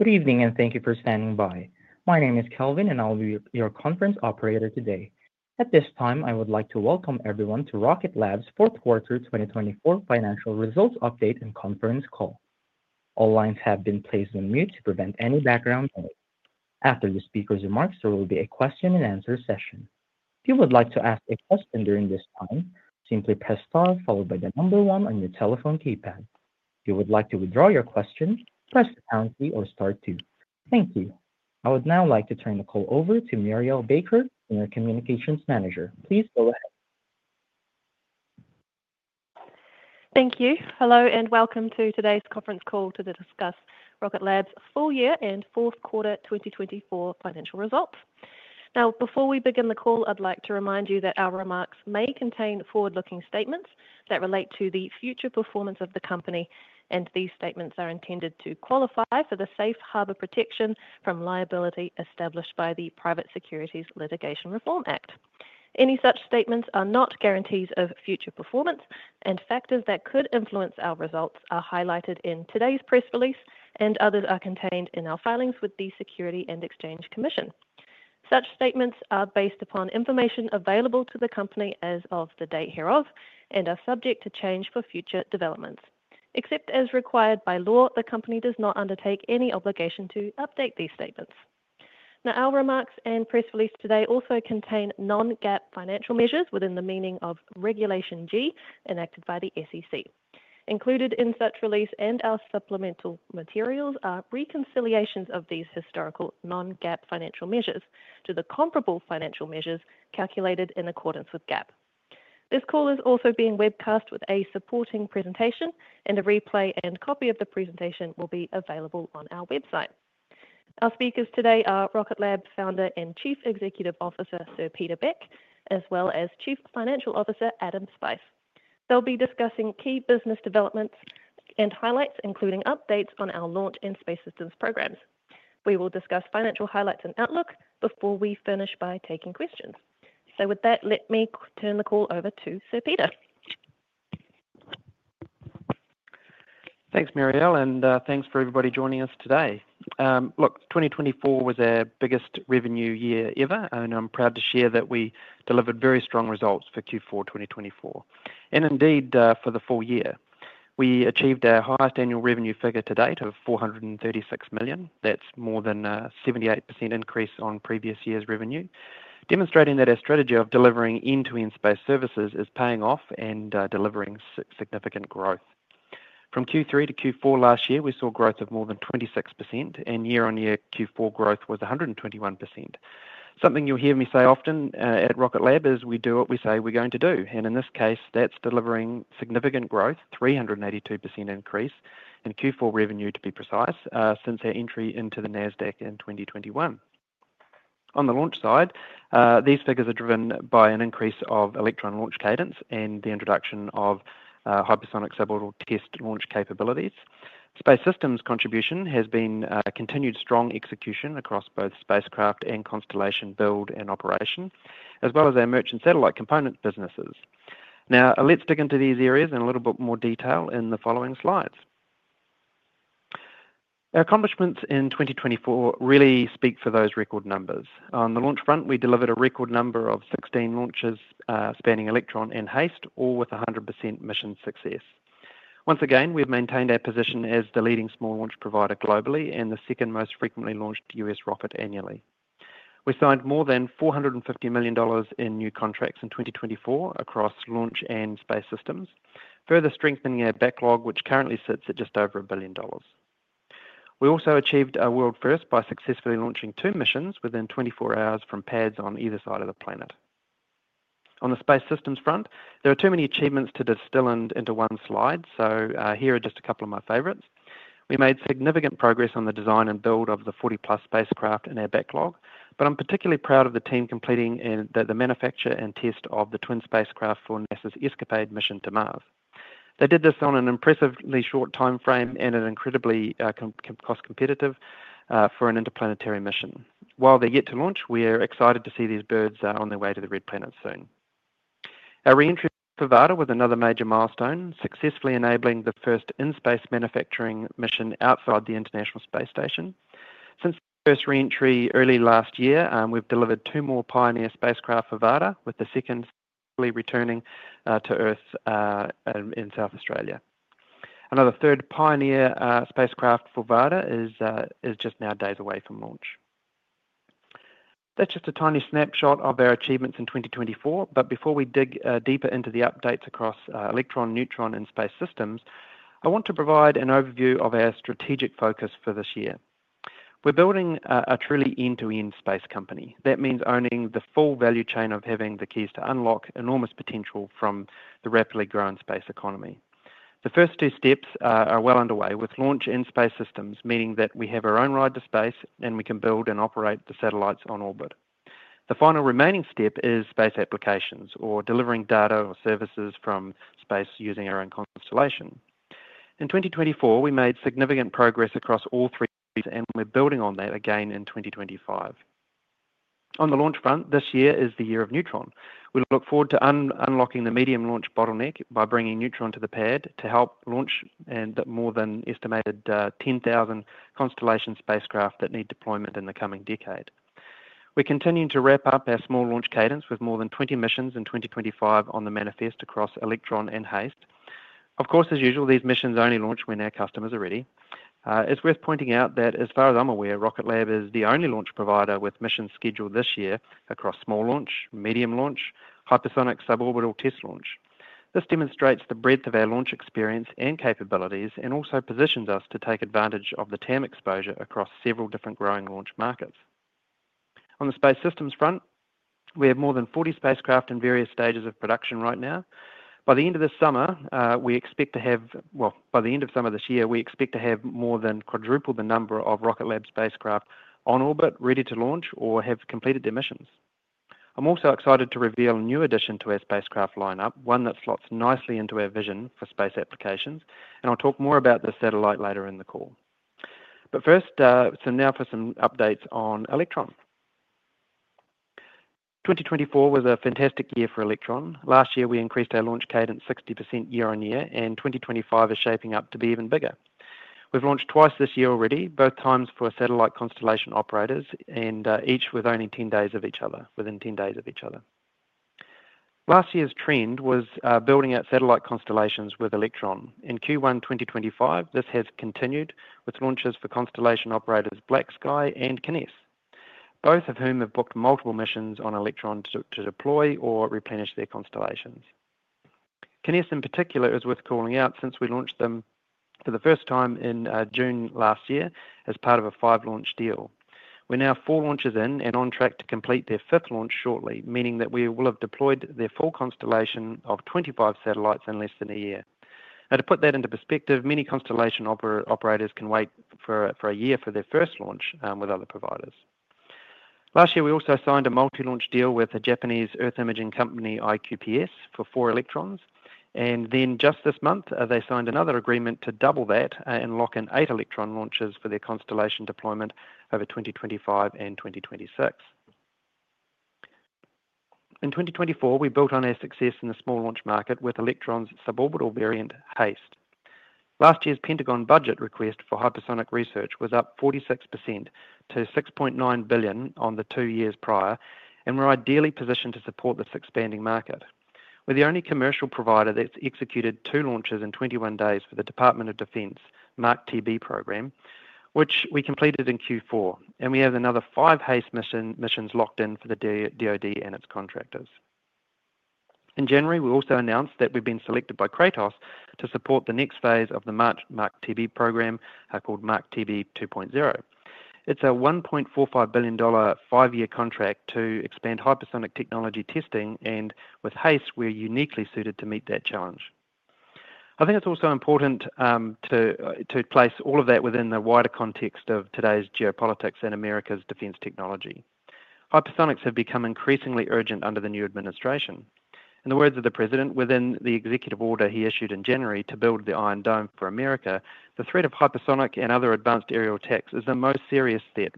Good evening and thank you for standing by. My name is Kelvin, and I'll be your conference operator today. At this time, I would like to welcome everyone to Rocket Lab's Fourth Quarter 2024 financial results update and conference call. All lines have been placed on mute to prevent any background noise. After the speaker's remarks, there will be a question-and-answer session. If you would like to ask a question during this time, simply press star followed by the number one on your telephone keypad. If you would like to withdraw your question, press star two. Thank you. I would now like to turn the call over to Murielle Baker, Senior Communications Manager. Please go ahead. Thank you. Hello and welcome to today's conference call to discuss Rocket Lab's full year and fourth quarter 2024 financial results. Now, before we begin the call, I'd like to remind you that our remarks may contain forward-looking statements that relate to the future performance of the company, and these statements are intended to qualify for the safe harbor protection from liability established by the Private Securities Litigation Reform Act. Any such statements are not guarantees of future performance, and factors that could influence our results are highlighted in today's press release, and others are contained in our filings with the Securities and Exchange Commission. Such statements are based upon information available to the company as of the date hereof and are subject to change for future developments. Except as required by law, the company does not undertake any obligation to update these statements. Now, our remarks and press release today also contain non-GAAP financial measures within the meaning of Regulation G enacted by the SEC. Included in such release and our supplemental materials are reconciliations of these historical non-GAAP financial measures to the comparable financial measures calculated in accordance with GAAP. This call is also being webcast with a supporting presentation, and a replay and copy of the presentation will be available on our website. Our speakers today are Rocket Lab founder and Chief Executive Officer, Sir Peter Beck, as well as Chief Financial Officer, Adam Spice. They will be discussing key business developments and highlights, including updates on our launch and Space Systems programs. We will discuss financial highlights and outlook before we finish by taking questions. So with that, let me turn the call over to Sir Peter. Thanks, Murielle, and thanks for everybody joining us today. Look, 2024 was our biggest revenue year ever, and I'm proud to share that we delivered very strong results for Q4 2024, and indeed for the full year. We achieved our highest annual revenue figure to date of $436 million. That's more than a 78% increase on previous year's revenue, demonstrating that our strategy of delivering end-to-end space services is paying off and delivering significant growth. From Q3 to Q4 last year, we saw growth of more than 26%, and year-on-year Q4 growth was 121%. Something you'll hear me say often at Rocket Lab is, "We do what we say we're going to do," and in this case, that's delivering significant growth, a 382% increase in Q4 revenue, to be precise, since our entry into the Nasdaq in 2021. On the launch side, these figures are driven by an increase of Electron launch cadence and the introduction of hypersonic suborbital test launch capabilities. Space Systems' contribution has been continued strong execution across both spacecraft and constellation build and operation, as well as our merchant satellite component businesses. Now, let's dig into these areas in a little bit more detail in the following slides. Our accomplishments in 2024 really speak for those record numbers. On the launch front, we delivered a record number of 16 launches spanning Electron and HASTE, all with 100% mission success. Once again, we've maintained our position as the leading small launch provider globally and the second most frequently launched U.S. rocket annually. We signed more than $450 million in new contracts in 2024 across launch and Space Systems, further strengthening our backlog, which currently sits at just over $1 billion. We also achieved a world first by successfully launching two missions within 24 hours from pads on either side of the planet. On the Space Systems front, there are too many achievements to distill into one slide, so here are just a couple of my favorites. We made significant progress on the design and build of the 40-plus spacecraft in our backlog, but I'm particularly proud of the team completing the manufacture and test of the twin spacecraft for NASA's ESCAPADE mission to Mars. They did this on an impressively short time frame and at an incredibly cost-competitive for an interplanetary mission. While they're yet to launch, we're excited to see these birds on their way to the red planet soon. Our re-entry for Varda was another major milestone, successfully enabling the first in-space manufacturing mission outside the International Space Station. Since the first re-entry early last year, we've delivered two more Pioneer spacecraft for Varda, with the second fully returning to Earth in South Australia. Another third Pioneer spacecraft for Varda is just now days away from launch. That's just a tiny snapshot of our achievements in 2024, but before we dig deeper into the updates across Electron, Neutron, and Space Systems, I want to provide an overview of our strategic focus for this year. We're building a truly end-to-end space company. That means owning the full value chain of having the keys to unlock enormous potential from the rapidly growing space economy. The first two steps are well underway with launch and Space Systems, meaning that we have our own ride to space and we can build and operate the satellites on orbit. The final remaining step is space applications, or delivering data or services from space using our own constellation. In 2024, we made significant progress across all three, and we're building on that again in 2025. On the launch front, this year is the year of Neutron. We look forward to unlocking the medium launch bottleneck by bringing Neutron to the pad to help launch more than estimated 10,000 constellation spacecraft that need deployment in the coming decade. We're continuing to wrap up our small launch cadence with more than 20 missions in 2025 on the manifest across Electron and HASTE. Of course, as usual, these missions only launch when our customers are ready. It's worth pointing out that, as far as I'm aware, Rocket Lab is the only launch provider with missions scheduled this year across small launch, medium launch, hypersonic suborbital test launch. This demonstrates the breadth of our launch experience and capabilities and also positions us to take advantage of the TAM exposure across several different growing launch markets. On the Space Systems front, we have more than 40 spacecraft in various stages of production right now. By the end of this summer, well, we expect to have more than quadruple the number of Rocket Lab spacecraft on orbit ready to launch or have completed their missions. I'm also excited to reveal a new addition to our spacecraft lineup, one that slots nicely into our vision for space applications, and I'll talk more about the satellite later in the call. But first, now for some updates on Electron. 2024 was a fantastic year for Electron. Last year, we increased our launch cadence 60% year-on-year, and 2025 is shaping up to be even bigger. We've launched twice this year already, both times for satellite constellation operators, and within 10 days of each other. Last year's trend was building out satellite constellations with Electron. In Q1 2025, this has continued with launches for constellation operators BlackSky and Kinéis, both of whom have booked multiple missions on Electron to deploy or replenish their constellations. Kinéis, in particular, is worth calling out since we launched them for the first time in June last year as part of a five-launch deal. We're now four launches in and on track to complete their fifth launch shortly, meaning that we will have deployed their full constellation of 25 satellites in less than a year. Now, to put that into perspective, many constellation operators can wait for a year for their first launch with other providers. Last year, we also signed a multi-launch deal with the Japanese Earth imaging company iQPS for four Electrons, and then just this month, they signed another agreement to double that and lock in eight Electron launches for their constellation deployment over 2025 and 2026. In 2024, we built on our success in the small launch market with Electron's suborbital variant HASTE. Last year's Pentagon budget request for hypersonic research was up 46% to $6.9 billion on the two years prior, and we're ideally positioned to support this expanding market. We're the only commercial provider that's executed two launches in 21 days for the Department of Defense MACH-TB program, which we completed in Q4, and we have another five HASTE missions locked in for the DoD and its contractors. In January, we also announced that we've been selected by Kratos to support the next phase of the MACH-TB program called MACH-TB 2.0. It's a $1.45 billion five-year contract to expand hypersonic technology testing, and with HASTE, we're uniquely suited to meet that challenge. I think it's also important to place all of that within the wider context of today's geopolitics and America's defense technology. Hypersonics have become increasingly urgent under the new administration. In the words of the president, within the executive order he issued in January to build the Iron Dome for America, the threat of hypersonic and other advanced aerial attacks is the most serious threat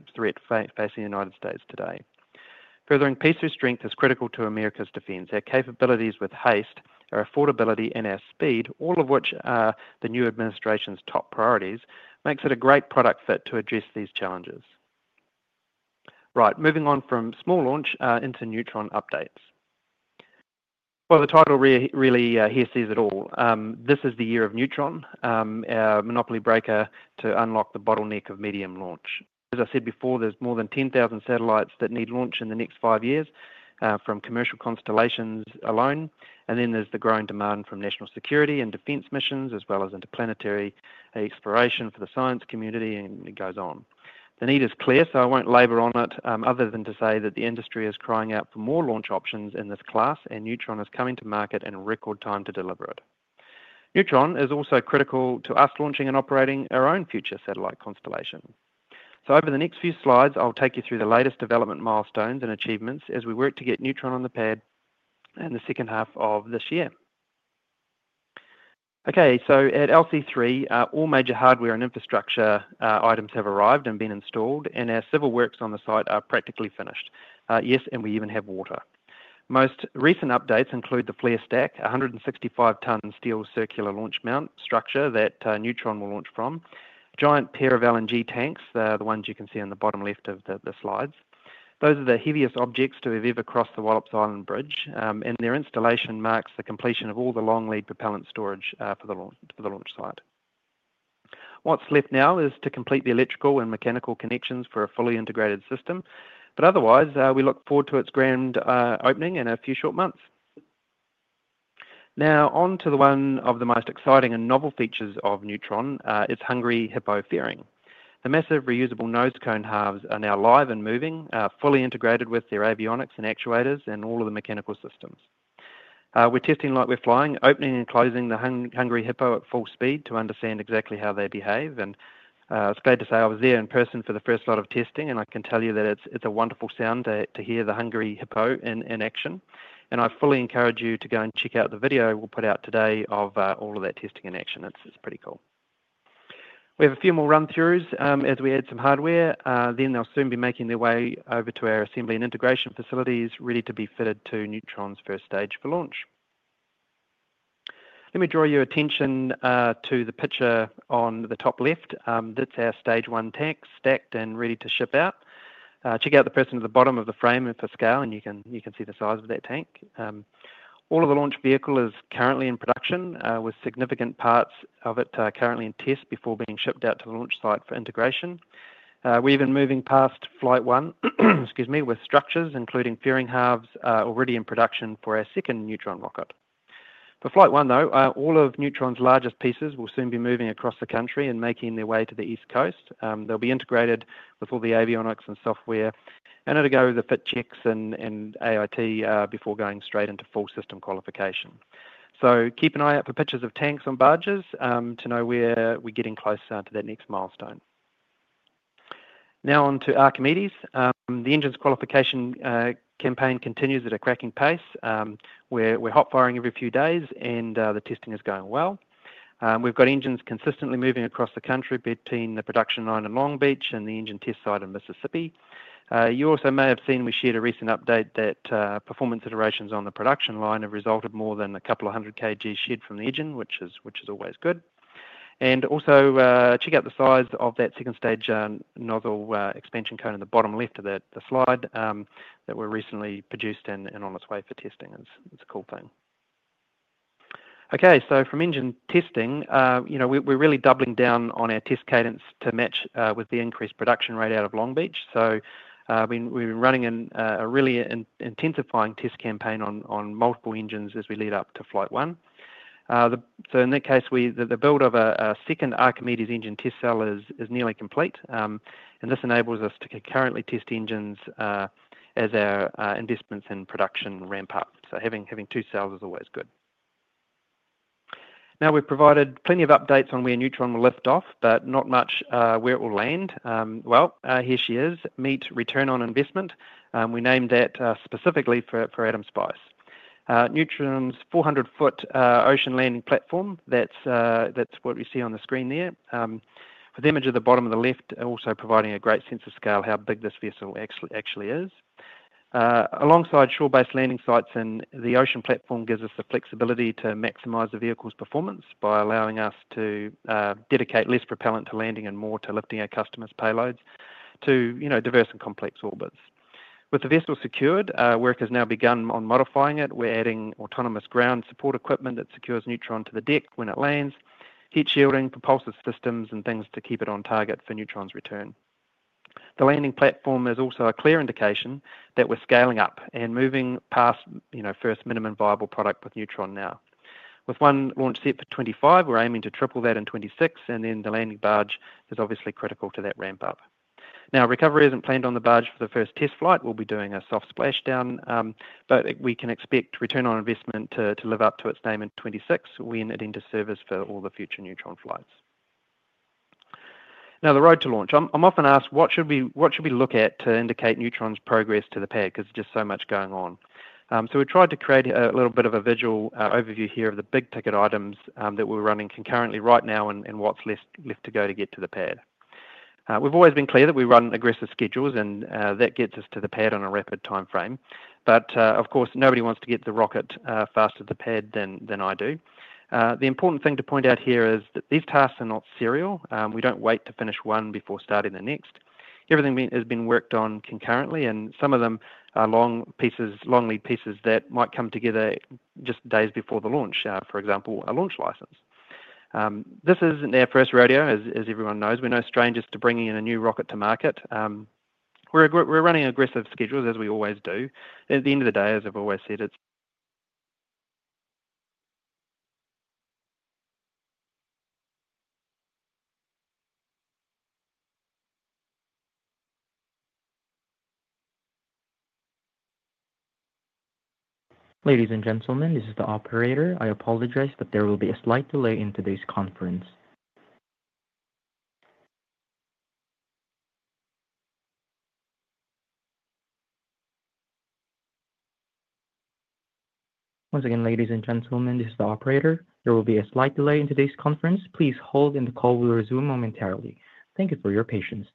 facing the United States today. Furthering peace through strength is critical to America's defense. Our capabilities with HASTE, our affordability, and our speed, all of which are the new administration's top priorities, make it a great product fit to address these challenges. Right, moving on from small launch into Neutron updates. The title really here says it all. This is the year of Neutron, our monopoly breaker to unlock the bottleneck of medium launch. As I said before, there's more than 10,000 satellites that need launch in the next five years from commercial constellations alone, and then there's the growing demand from national security and defense missions, as well as interplanetary exploration for the science community, and it goes on. The need is clear, so I won't labor on it other than to say that the industry is crying out for more launch options in this class, and Neutron is coming to market in record time to deliver it. Neutron is also critical to us launching and operating our own future satellite constellation. Over the next few slides, I'll take you through the latest development milestones and achievements as we work to get Neutron on the pad in the second half of this year. Okay, so at LC-3, all major hardware and infrastructure items have arrived and been installed, and our civil works on the site are practically finished. Yes, and we even have water. Most recent updates include the launch mount, a 165-ton steel circular launch mount structure that Neutron will launch from, a giant pair of LNG tanks, the ones you can see on the bottom left of the slides. Those are the heaviest objects to have ever crossed the Wallops Island Bridge, and their installation marks the completion of all the long lead propellant storage for the launch site. What's left now is to complete the electrical and mechanical connections for a fully integrated system, but otherwise, we look forward to its grand opening in a few short months. Now, on to one of the most exciting and novel features of Neutron, its Hungry Hippo fairing. The massive reusable nose cone halves are now live and moving, fully integrated with their avionics and actuators and all of the mechanical systems. We're testing like we're flying, opening and closing the Hungry Hippo at full speed to understand exactly how they behave, and it's great to say I was there in person for the first lot of testing, and I can tell you that it's a wonderful sound to hear the Hungry Hippo in action, and I fully encourage you to go and check out the video we'll put out today of all of that testing in action. It's pretty cool. We have a few more run-throughs as we add some hardware, then they'll soon be making their way over to our assembly and integration facilities ready to be fitted to Neutron's first stage for launch. Let me draw your attention to the picture on the top left. That's our stage one tank stacked and ready to ship out. Check out the person at the bottom of the frame for scale, and you can see the size of that tank. All of the launch vehicle is currently in production, with significant parts of it currently in test before being shipped out to the launch site for integration. We're even moving past flight one, excuse me, with structures, including fairing halves, already in production for our second Neutron rocket. For flight one, though, all of Neutron's largest pieces will soon be moving across the country and making their way to the east coast. They'll be integrated with all the avionics and software, and it'll go over the fit checks and AIT before going straight into full system qualification. So keep an eye out for pictures of tanks on barges to know we're getting close to that next milestone. Now on to Archimedes. The engines qualification campaign continues at a cracking pace. We're hotfiring every few days, and the testing is going well. We've got engines consistently moving across the country between the production line in Long Beach and the engine test site in Mississippi. You also may have seen we shared a recent update that performance iterations on the production line have resulted in more than a couple of hundred kg shed from the engine, which is always good. And also, check out the size of that second stage nozzle expansion cone in the bottom left of the slide that we recently produced and on its way for testing. It's a cool thing. Okay, so from engine testing, we're really doubling down on our test cadence to match with the increased production rate out of Long Beach. So we've been running a really intensifying test campaign on multiple engines as we lead up to flight one. So in that case, the build of a second Archimedes engine test cell is nearly complete, and this enables us to concurrently test engines as our investments in production ramp up. So having two cells is always good. Now, we've provided plenty of updates on where Neutron will lift off, but not much where it will land. Well, here she is, meet return on investment. We named that specifically for Adam Spice. Neutron's 400-foot ocean landing platform, that's what we see on the screen there. With the image at the bottom left, also providing a great sense of scale how big this vessel actually is. Alongside shore-based landing sites and the ocean platform gives us the flexibility to maximize the vehicle's performance by allowing us to dedicate less propellant to landing and more to lifting our customers' payloads to diverse and complex orbits. With the vessel secured, work has now begun on modifying it. We're adding autonomous ground support equipment that secures Neutron to the deck when it lands, heat shielding, propulsive systems, and things to keep it on target for Neutron's return. The landing platform is also a clear indication that we're scaling up and moving past first minimum viable product with Neutron now. With one launch set for 2025, we're aiming to triple that in 2026, and then the landing barge is obviously critical to that ramp-up. Now, recovery isn't planned on the barge for the first test flight. We'll be doing a soft splashdown, but we can expect Return On Investment to live up to its name in 2026 when it enters service for all the future Neutron flights. Now, the road to launch. I'm often asked, what should we look at to indicate Neutron's progress to the pad? Because there's just so much going on. So we tried to create a little bit of a visual overview here of the big ticket items that we're running concurrently right now and what's left to go to get to the pad. We've always been clear that we run aggressive schedules, and that gets us to the pad on a rapid timeframe. But of course, nobody wants to get the rocket faster to the pad than I do. The important thing to point out here is that these tasks are not serial. We don't wait to finish one before starting the next. Everything has been worked on concurrently, and some of them are long lead pieces that might come together just days before the launch, for example, a launch license. This isn't our first rodeo, as everyone knows. We're no strangers to bringing in a new rocket to market. We're running aggressive schedules, as we always do. At the end of the day, as I've always said. Ladies and gentlemen, this is the operator. I apologize that there will be a slight delay in today's conference. Once again, ladies and gentlemen, this is the operator. There will be a slight delay in today's conference. Please hold, and the call will resume momentarily. Thank you for your patience.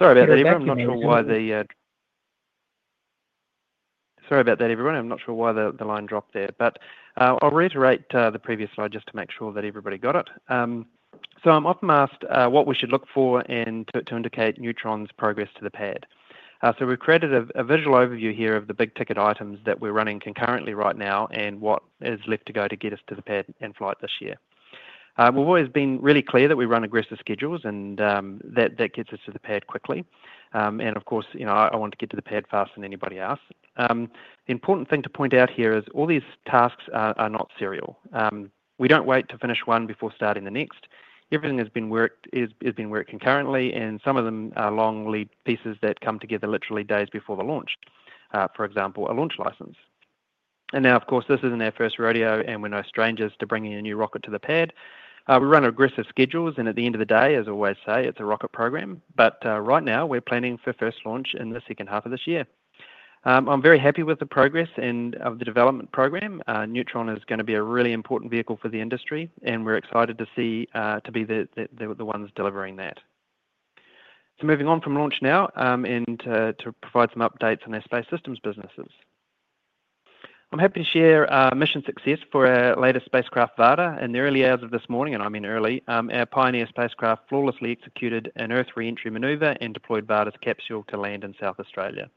Sorry about that, everyone. I'm not sure why the line dropped there, but I'll reiterate the previous slide just to make sure that everybody got it, so I'm often asked what we should look for to indicate Neutron's progress to the pad, so we've created a visual overview here of the big ticket items that we're running concurrently right now and what is left to go to get us to the pad and flight this year. We've always been really clear that we run aggressive schedules, and that gets us to the pad quickly, and of course, I want to get to the pad faster than anybody else. The important thing to point out here is all these tasks are not serial. We don't wait to finish one before starting the next. Everything has been worked concurrently, and some of them are long lead pieces that come together literally days before the launch, for example, a launch license. And now, of course, this isn't our first rodeo, and we're no strangers to bringing a new rocket to the pad. We run aggressive schedules, and at the end of the day, as I always say, it's a rocket program. But right now, we're planning for first launch in the second half of this year. I'm very happy with the progress and the development program. Neutron is going to be a really important vehicle for the industry, and we're excited to be the ones delivering that. So moving on from launch now and to provide some updates on our Space Systems businesses. I'm happy to share mission success for our latest spacecraft, Varda, in the early hours of this morning, and I mean early. Our Pioneer spacecraft flawlessly executed an Earth re-entry maneuver and deployed Varda's capsule to land in South Australia.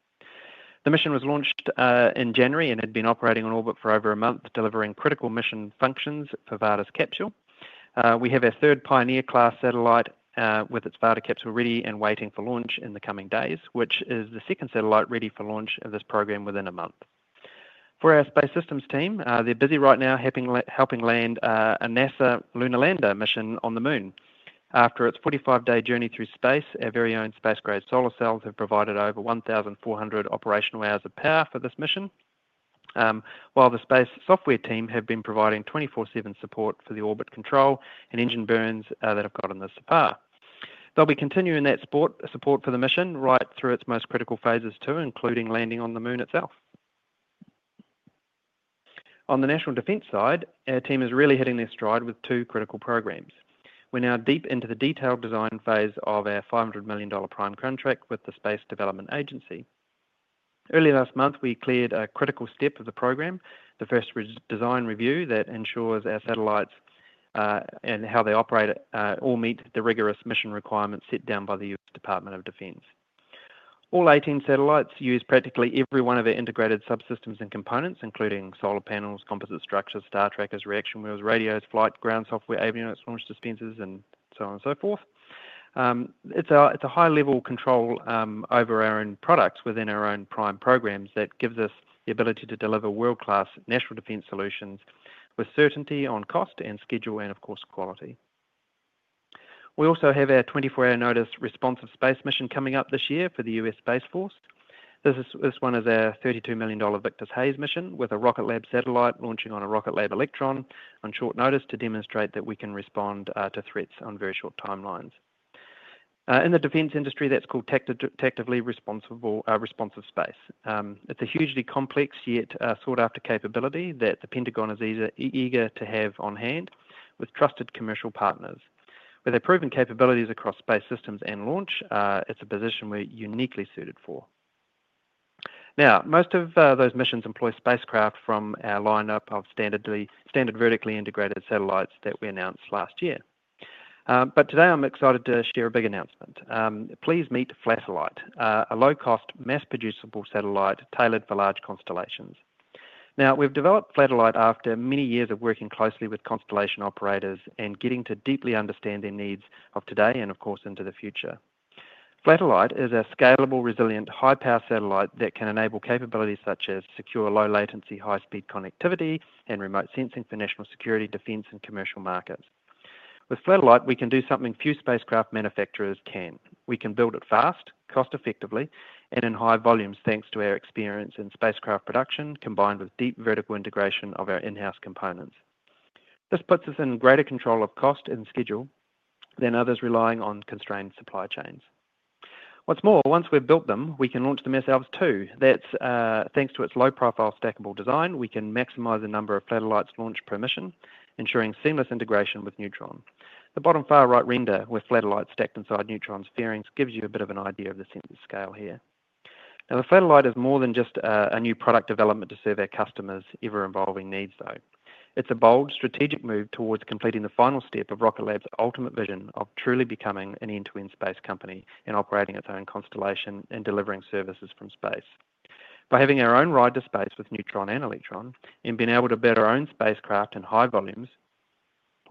The mission was launched in January and had been operating on orbit for over a month, delivering critical mission functions for Varda's capsule. We have our third Pioneer class satellite with its Varda capsule ready and waiting for launch in the coming days, which is the second satellite ready for launch of this program within a month. For our Space Systems team, they're busy right now helping land a NASA lunar lander mission on the Moon. After its 45-day journey through space, our very own space-grade solar cells have provided over 1,400 operational hours of power for this mission, while the space software team have been providing 24/7 support for the orbit control and engine burns that have gotten this far. They'll be continuing that support for the mission right through its most critical phases too, including landing on the moon itself. On the national defense side, our team is really hitting their stride with two critical programs. We're now deep into the detailed design phase of our $500 million prime contract with the Space Development Agency. Early last month, we cleared a critical step of the program, the first design review that ensures our satellites and how they operate all meet the rigorous mission requirements set down by the U.S. Department of Defense. All 18 satellites use practically every one of our integrated subsystems and components, including solar panels, composite structures, star trackers, reaction wheels, radios, flight, ground software, avionics, launch dispensers, and so on and so forth. It's a high-level control over our own products within our own prime programs that gives us the ability to deliver world-class national defense solutions with certainty on cost and schedule and, of course, quality. We also have our 24-hour notice responsive space mission coming up this year for the U.S. Space Force. This one is our $32 million Victus Haze mission with a Rocket Lab satellite launching on a Rocket Lab Electron on short notice to demonstrate that we can respond to threats on very short timelines. In the defense industry, that's called tactically responsive space. It's a hugely complex yet sought-after capability that the Pentagon is eager to have on hand with trusted commercial partners. With our proven capabilities across Space Systems and launch, it's a position we're uniquely suited for. Now, most of those missions employ spacecraft from our lineup of standard vertically integrated satellites that we announced last year. But today, I'm excited to share a big announcement. Please meet Flatellite, a low-cost, mass-producible satellite tailored for large constellations. Now, we've developed Flatellite after many years of working closely with constellation operators and getting to deeply understand their needs of today and, of course, into the future. Flatellite is a scalable, resilient, high-power satellite that can enable capabilities such as secure low-latency, high-speed connectivity, and remote sensing for national security, defense, and commercial markets. With Flatellite, we can do something few spacecraft manufacturers can. We can build it fast, cost-effectively, and in high volumes thanks to our experience in spacecraft production combined with deep vertical integration of our in-house components. This puts us in greater control of cost and schedule than others relying on constrained supply chains. What's more, once we've built them, we can launch them ourselves too. That's thanks to its low-profile stackable design. We can maximize the number of Flatellites launched per mission, ensuring seamless integration with Neutron. The bottom far right render with Flatellite stacked inside Neutron's fairings gives you a bit of an idea of the sense of scale here. Now, the Flatellite is more than just a new product development to serve our customers' ever-evolving needs, though. It's a bold, strategic move towards completing the final step of Rocket Lab's ultimate vision of truly becoming an end-to-end space company and operating its own constellation and delivering services from space. By having our own ride to space with Neutron and Electron and being able to build our own spacecraft in high volumes,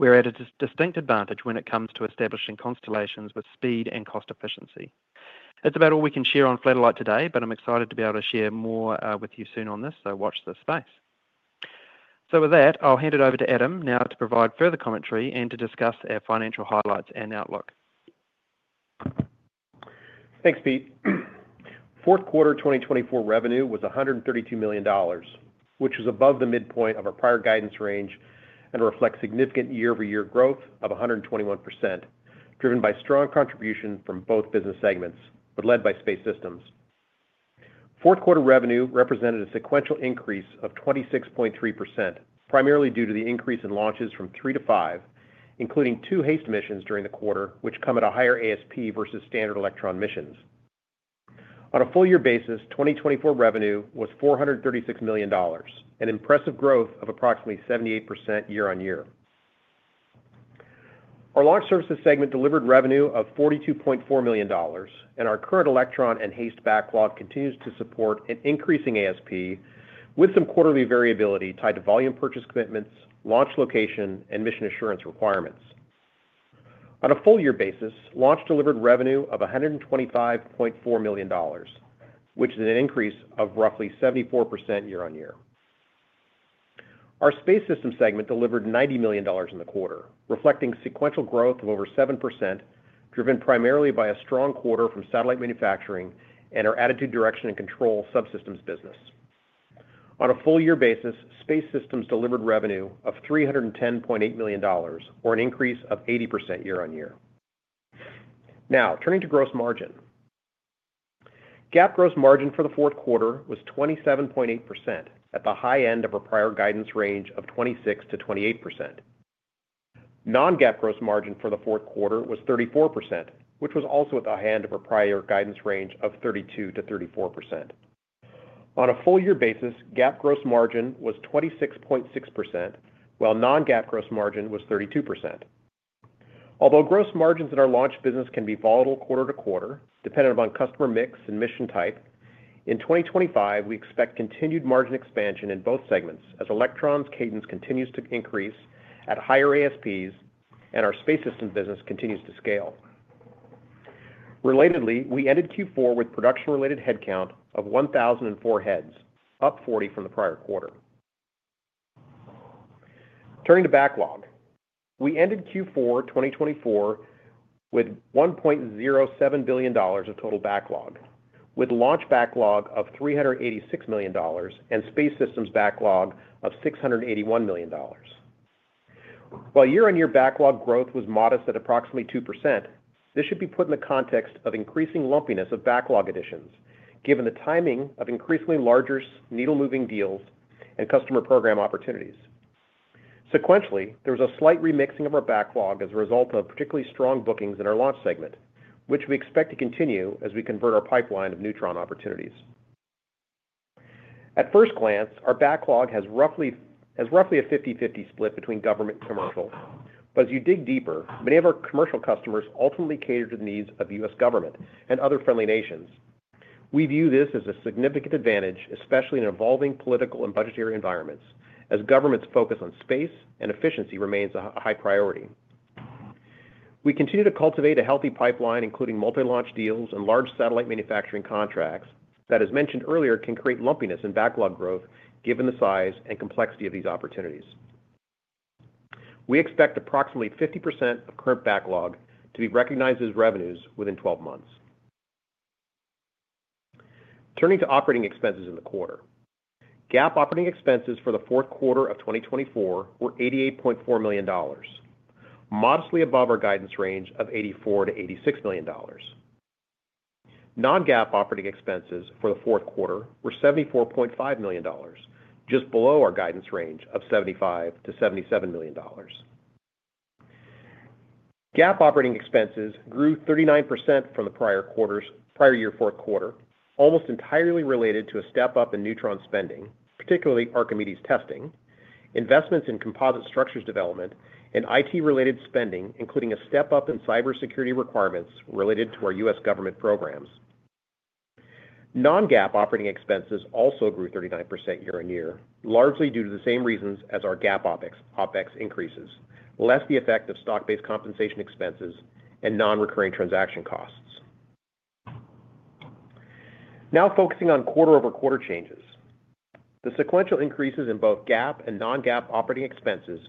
we're at a distinct advantage when it comes to establishing constellations with speed and cost efficiency. That's about all we can share on Flatellite today, but I'm excited to be able to share more with you soon on this, so watch this space. So with that, I'll hand it over to Adam now to provide further commentary and to discuss our financial highlights and outlook. Thanks, Pete. Fourth quarter 2024 revenue was $132 million, which was above the midpoint of our prior guidance range and reflects significant year-over-year growth of 121%, driven by strong contribution from both business segments, but led by Space Systems. Fourth quarter revenue represented a sequential increase of 26.3%, primarily due to the increase in launches from three to five, including two HASTE missions during the quarter, which come at a higher ASP versus standard Electron missions. On a full-year basis, 2024 revenue was $436 million, an impressive growth of approximately 78% year-on-year. Our launch services segment delivered revenue of $42.4 million, and our current Electron and HASTE backlog continues to support an increasing ASP with some quarterly variability tied to volume purchase commitments, launch location, and mission assurance requirements. On a full-year basis, launch delivered revenue of $125.4 million, which is an increase of roughly 74% year-on-year. Our Space Systems segment delivered $90 million in the quarter, reflecting sequential growth of over 7%, driven primarily by a strong quarter from satellite manufacturing and our attitude, direction, and control subsystems business. On a full-year basis, Space Systems delivered revenue of $310.8 million, or an increase of 80% year-on-year. Now, turning to gross margin. GAAP gross margin for the fourth quarter was 27.8%, at the high end of our prior guidance range of 26% - 28%. Non-GAAP gross margin for the fourth quarter was 34%, which was also at the high end of our prior guidance range of 32% - 34%. On a full-year basis, GAAP gross margin was 26.6%, while Non-GAAP gross margin was 32%. Although gross margins in our launch business can be volatile quarter to quarter, dependent upon customer mix and mission type, in 2025, we expect continued margin expansion in both segments as Electron's cadence continues to increase at higher ASPs and our space system business continues to scale. Relatedly, we ended Q4 with production-related headcount of 1,004 heads, up 40 from the prior quarter. Turning to backlog, we ended Q4 2024 with $1.07 billion of total backlog, with launch backlog of $386 million and Space Systems backlog of $681 million. While year-on-year backlog growth was modest at approximately 2%, this should be put in the context of increasing lumpiness of backlog additions, given the timing of increasingly larger needle-moving deals and customer program opportunities. Sequentially, there was a slight remixing of our backlog as a result of particularly strong bookings in our launch segment, which we expect to continue as we convert our pipeline of Neutron opportunities. At first glance, our backlog has roughly a 50/50 split between government and commercial, but as you dig deeper, many of our commercial customers ultimately cater to the needs of the U.S. government and other friendly nations. We view this as a significant advantage, especially in evolving political and budgetary environments, as governments' focus on space and efficiency remains a high priority. We continue to cultivate a healthy pipeline, including multi-launch deals and large satellite manufacturing contracts that, as mentioned earlier, can create lumpiness in backlog growth given the size and complexity of these opportunities. We expect approximately 50% of current backlog to be recognized as revenues within 12 months. Turning to operating expenses in the quarter, GAAP operating expenses for the fourth quarter of 2024 were $88.4 million, modestly above our guidance range of $84 - $86 million. Non-GAAP operating expenses for the fourth quarter were $74.5 million, just below our guidance range of $75 - $77 million. GAAP operating expenses grew 39% from the prior year fourth quarter, almost entirely related to a step-up in Neutron spending, particularly Archimedes testing, investments in composite structures development, and IT-related spending, including a step-up in cybersecurity requirements related to our U.S. government programs. Non-GAAP operating expenses also grew 39% year-on-year, largely due to the same reasons as our GAAP OpEx increases, less the effect of stock-based compensation expenses and non-recurring transaction costs. Now, focusing on quarter-over-quarter changes. The sequential increases in both GAAP and Non-GAAP operating expenses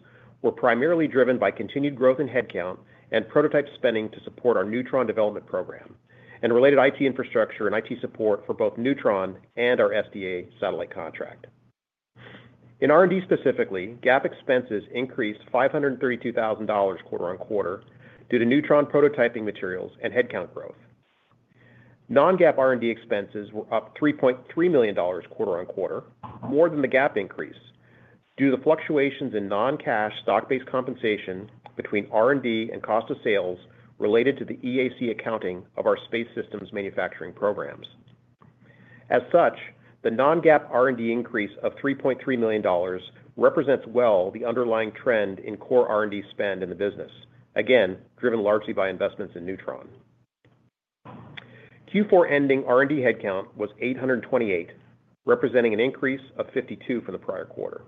were primarily driven by continued growth in headcount and prototype spending to support our Neutron development program and related IT infrastructure and IT support for both Neutron and our SDA satellite contract. In R&D specifically, GAAP expenses increased $532,000 quarter on quarter due to Neutron prototyping materials and headcount growth. Non-GAAP R&D expenses were up $3.3 million quarter on quarter, more than the GAAP increase due to the fluctuations in non-cash stock-based compensation between R&D and cost of sales related to the EAC accounting of our Space Systems manufacturing programs. As such, the non-GAAP R&D increase of $3.3 million represents well the underlying trend in core R&D spend in the business, again, driven largely by investments in Neutron. Q4 ending R&D headcount was 828, representing an increase of 52 from the prior quarter.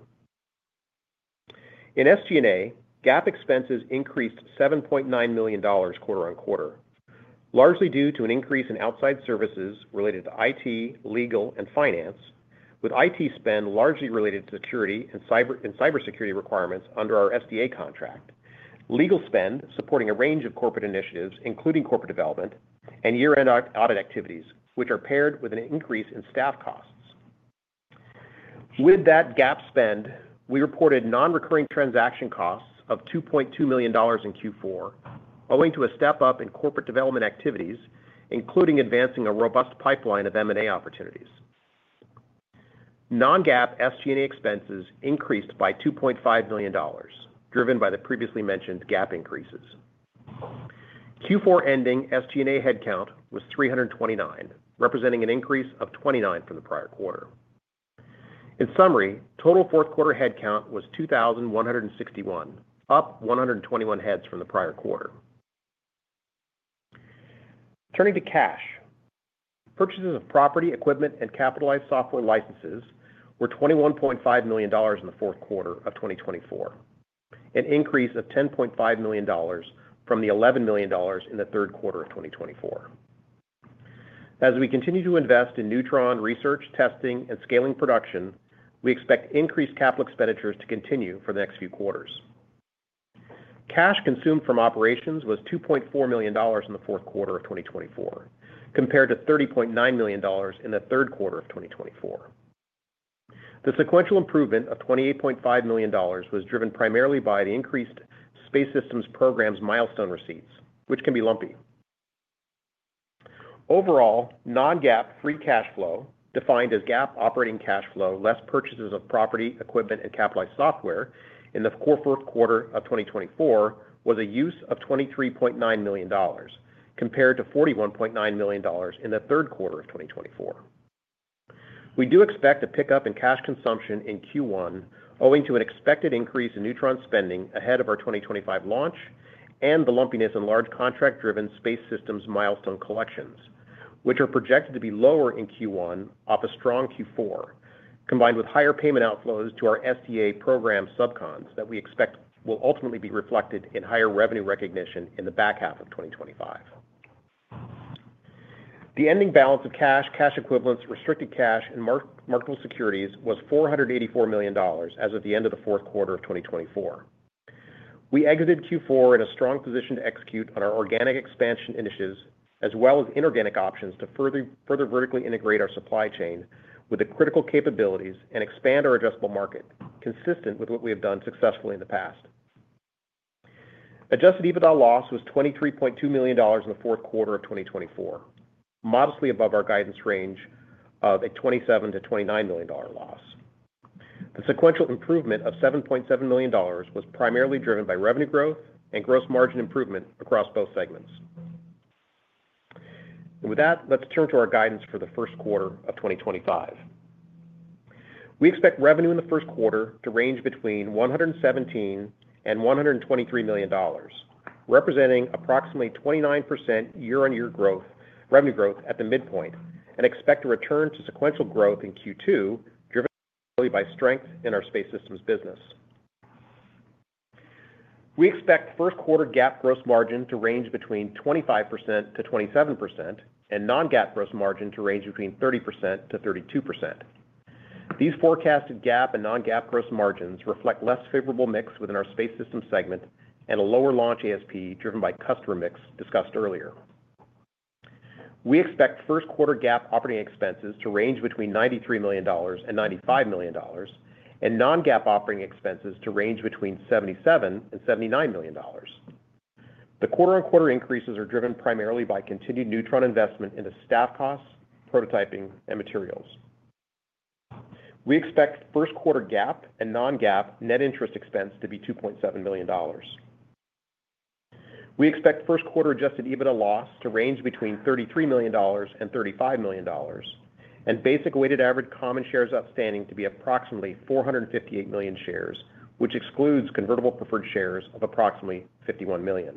In SG&A, GAAP expenses increased $7.9 million quarter on quarter, largely due to an increase in outside services related to IT, legal, and finance, with IT spend largely related to security and cybersecurity requirements under our SDA contract, legal spend supporting a range of corporate initiatives, including corporate development and year-end audit activities, which are paired with an increase in staff costs. With that GAAP spend, we reported non-recurring transaction costs of $2.2 million in Q4, owing to a step-up in corporate development activities, including advancing a robust pipeline of M&A opportunities. Non-GAAP SG&A expenses increased by $2.5 million, driven by the previously mentioned GAAP increases. Q4 ending SG&A headcount was 329, representing an increase of 29 from the prior quarter. In summary, total fourth quarter headcount was 2,161, up 121 heads from the prior quarter. Turning to cash, purchases of property, equipment, and capitalized software licenses were $21.5 million in the fourth quarter of 2024, an increase of $10.5 million from the $11 million in the third quarter of 2024. As we continue to invest in Neutron research, testing, and scaling production, we expect increased capital expenditures to continue for the next few quarters. Cash consumed from operations was $2.4 million in the fourth quarter of 2024, compared to $30.9 million in the third quarter of 2024. The sequential improvement of $28.5 million was driven primarily by the increased Space Systems program's milestone receipts, which can be lumpy. Overall, non-GAAP free cash flow, defined as GAAP operating cash flow less purchases of property, equipment, and capitalized software in the fourth quarter of 2024, was a use of $23.9 million, compared to $41.9 million in the third quarter of 2024. We do expect a pickup in cash consumption in Q1, owing to an expected increase in Neutron spending ahead of our 2025 launch and the lumpiness in large contract-driven Space Systems milestone collections, which are projected to be lower in Q1 off a strong Q4, combined with higher payment outflows to our SDA program subcons that we expect will ultimately be reflected in higher revenue recognition in the back half of 2025. The ending balance of cash, cash equivalents, restricted cash, and marketable securities was $484 million as of the end of the fourth quarter of 2024. We exited Q4 in a strong position to execute on our organic expansion initiatives as well as inorganic options to further vertically integrate our supply chain with the critical capabilities and expand our addressable market, consistent with what we have done successfully in the past. Adjusted EBITDA loss was $23.2 million in the fourth quarter of 2024, modestly above our guidance range of a $27-$29 million loss. The sequential improvement of $7.7 million was primarily driven by revenue growth and gross margin improvement across both segments. And with that, let's turn to our guidance for the first quarter of 2025. We expect revenue in the first quarter to range between $117 - $123 million, representing approximately 29% year-on-year revenue growth at the midpoint, and expect a return to sequential growth in Q2 driven by strength in our Space Systems business. We expect first quarter GAAP gross margin to range between 25%-27% and non-GAAP gross margin to range between 30% - 32%. These forecasted GAAP and non-GAAP gross margins reflect less favorable mix within our space system segment and a lower launch ASP driven by customer mix discussed earlier. We expect first quarter GAAP operating expenses to range between $93 - $95 million, and non-GAAP operating expenses to range between $77 - $79 million. The quarter-on-quarter increases are driven primarily by continued Neutron investment into staff costs, prototyping, and materials. We expect first quarter GAAP and non-GAAP net interest expense to be $2.7 million. We expect first quarter Adjusted EBITDA loss to range between $33 - $35 million, and basic weighted average common shares outstanding to be approximately 458 million shares, which excludes convertible preferred shares of approximately $51 million.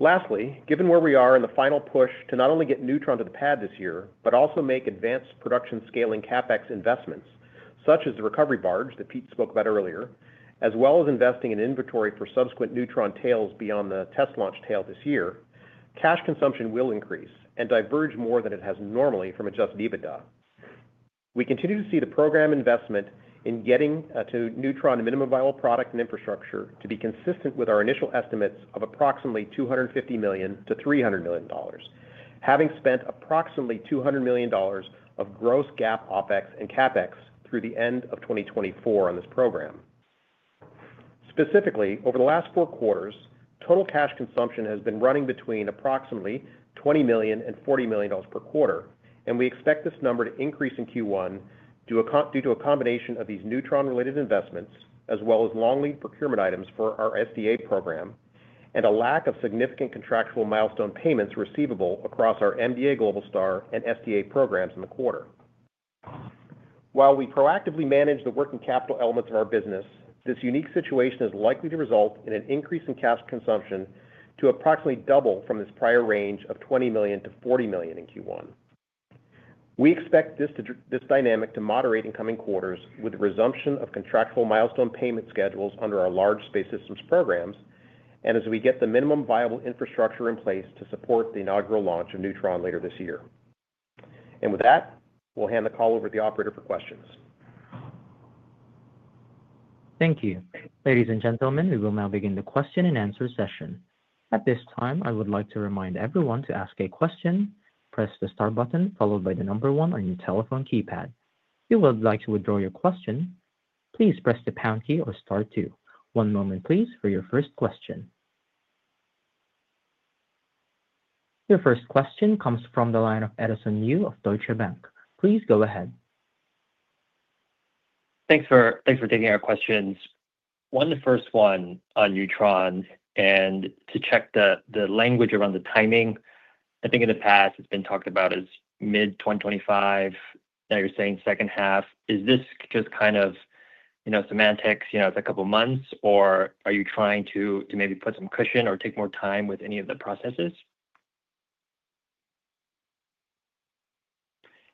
Lastly, given where we are in the final push to not only get Neutron to the pad this year, but also make advanced production scaling CapEx investments, such as the recovery barge that Pete spoke about earlier, as well as investing in inventory for subsequent Neutron tails beyond the test launch tail this year, cash consumption will increase and diverge more than it has normally from Adjusted EBITDA. We continue to see the program investment in getting to Neutron and minimum viable product and infrastructure to be consistent with our initial estimates of approximately $250 million - $300 million, having spent approximately $200 million of gross GAAP OpEx and CapEx through the end of 2024 on this program. Specifically, over the last four quarters, total cash consumption has been running between approximately $20 million and $40 million per quarter, and we expect this number to increase in Q1 due to a combination of these Neutron-related investments, as well as long-lead procurement items for our SDA program, and a lack of significant contractual milestone payments receivable across our MDA, Globalstar, and SDA programs in the quarter. While we proactively manage the working capital elements of our business, this unique situation is likely to result in an increase in cash consumption to approximately double from this prior range of $20 million to $40 million in Q1. We expect this dynamic to moderate in coming quarters with the resumption of contractual milestone payment schedules under our large Space Systems programs, and as we get the minimum viable infrastructure in place to support the inaugural launch of Neutron later this year. With that, we'll hand the call over to the operator for questions. Thank you. Ladies and gentlemen, we will now begin the question and answer session. At this time, I would like to remind everyone to ask a question, press the star button followed by the number one on your telephone keypad. If you would like to withdraw your question, please press the pound key or star two. One moment, please, for your first question. Your first question comes from the line of Edison Yu of Deutsche Bank. Please go ahead. Thanks for taking our questions. One of the first ones on Neutron, and to check the language around the timing, I think in the past it's been talked about as mid-2025, now you're saying second half. Is this just kind of semantics? It's a couple of months, or are you trying to maybe put some cushion or take more time with any of the processes?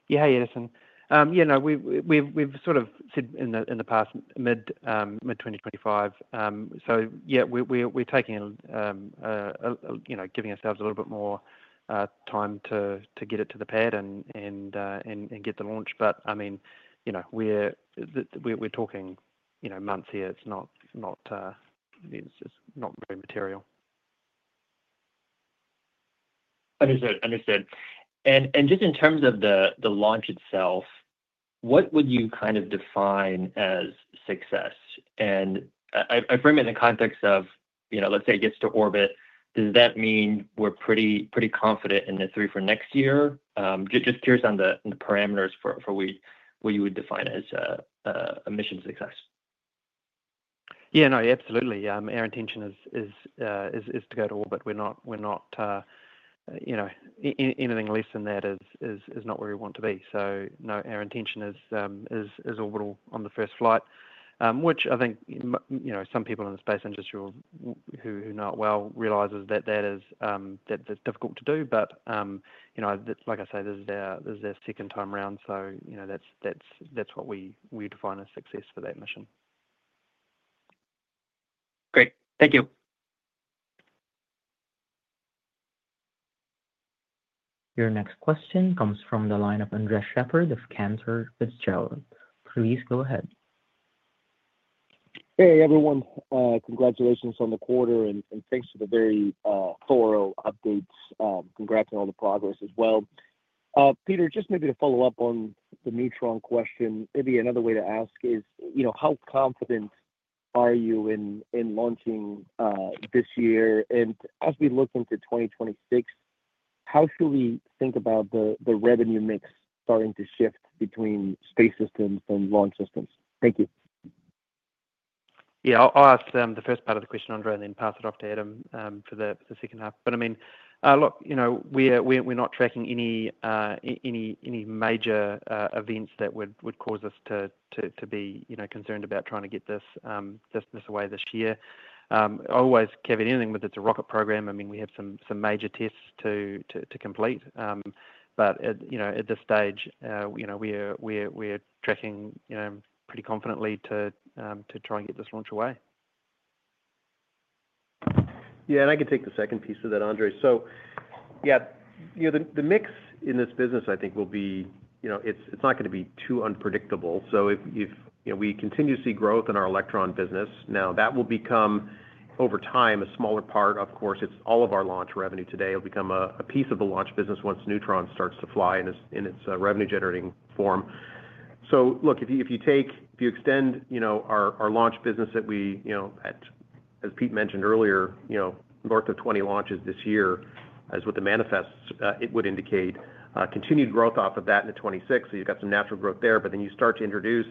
Yeah, Edison. We've sort of said in the past, mid-2025, so yeah, we're taking and giving ourselves a little bit more time to get it to the pad and get the launch. But I mean, we're talking months here. It's not very material. Understood. In terms of the launch itself, what would you kind of define as success? I frame it in the context of, let's say it gets to orbit. Does that mean we're pretty confident in the three for next year? Just curious on the parameters for what you would define as a mission success. Yeah, no, absolutely. Our intention is to go to orbit. We're not anything less than that. That is not where we want to be. So no, our intention is orbital on the first flight, which I think some people in the space industry who know it well realize that that is difficult to do. But like I say, this is our second time around, so that's what we define as success for that mission. Great. Thank you. Your next question comes from the line of Andres Sheppard of Cantor Fitzgerald. Please go ahead. Hey, everyone. Congratulations on the quarter and thanks for the very thorough updates. Congrats on all the progress as well. Peter, just maybe to follow up on the Neutron question, maybe another way to ask is how confident are you in launching this year? And as we look into 2026, how should we think about the revenue mix starting to shift between Space Systems and launch systems? Thank you. Yeah, I'll ask the first part of the question, Andres, and then pass it off to Adam for the second half. But I mean, look, we're not tracking any major events that would cause us to be concerned about trying to get this away this year. As always, Kelvin, anything with it, it's a rocket program. I mean, we have some major tests to complete. But at this stage, we're tracking pretty confidently to try and get this launch away. Yeah, and I can take the second piece of that, Andres. So yeah, the mix in this business, I think, will be. It's not going to be too unpredictable. So if we continue to see growth in our Electron business, now that will become over time a smaller part. Of course, it's all of our launch revenue today will become a piece of the launch business once Neutron starts to fly in its revenue-generating form. So look, if you extend our launch business that we, as Pete mentioned earlier, north of 20 launches this year, as with the manifests, it would indicate continued growth off of that in the 2026. So you've got some natural growth there. But then you start to introduce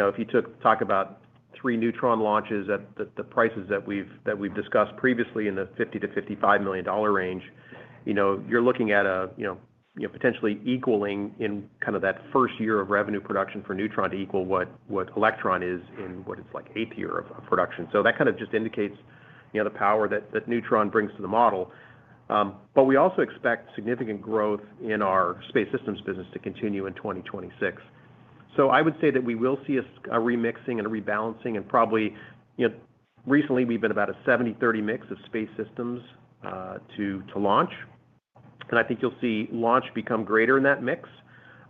if you talk about three Neutron launches at the prices that we've discussed previously in the $50 - $55 million range, you're looking at potentially equaling in kind of that first year of revenue production for Neutron to equal what Electron is in what it's like eighth year of production. So that kind of just indicates the power that Neutron brings to the model. We also expect significant growth in our Space Systems business to continue in 2026. I would say that we will see a remixing and a rebalancing. Probably recently, we've been about a 70/30 mix of Space Systems to launch. I think you'll see launch become greater in that mix.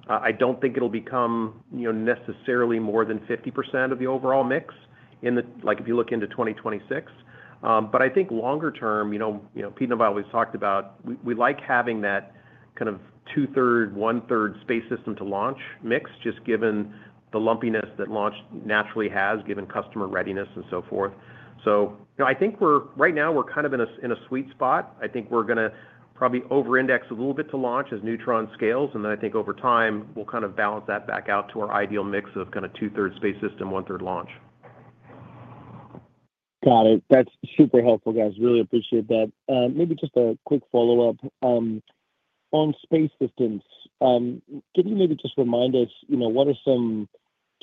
I don't think it'll become necessarily more than 50% of the overall mix if you look into 2026. I think longer term, Pete and I've always talked about we like having that kind of two-thirds, one-third space system to launch mix, just given the lumpiness that launch naturally has, given customer readiness and so forth. I think right now we're kind of in a sweet spot. I think we're going to probably over-index a little bit to launch as Neutron scales. And then I think over time, we'll kind of balance that back out to our ideal mix of kind of two-thirds Space Systems, one-third Launch. Got it. That's super helpful, guys. Really appreciate that. Maybe just a quick follow-up. On Space Systems, can you maybe just remind us what are some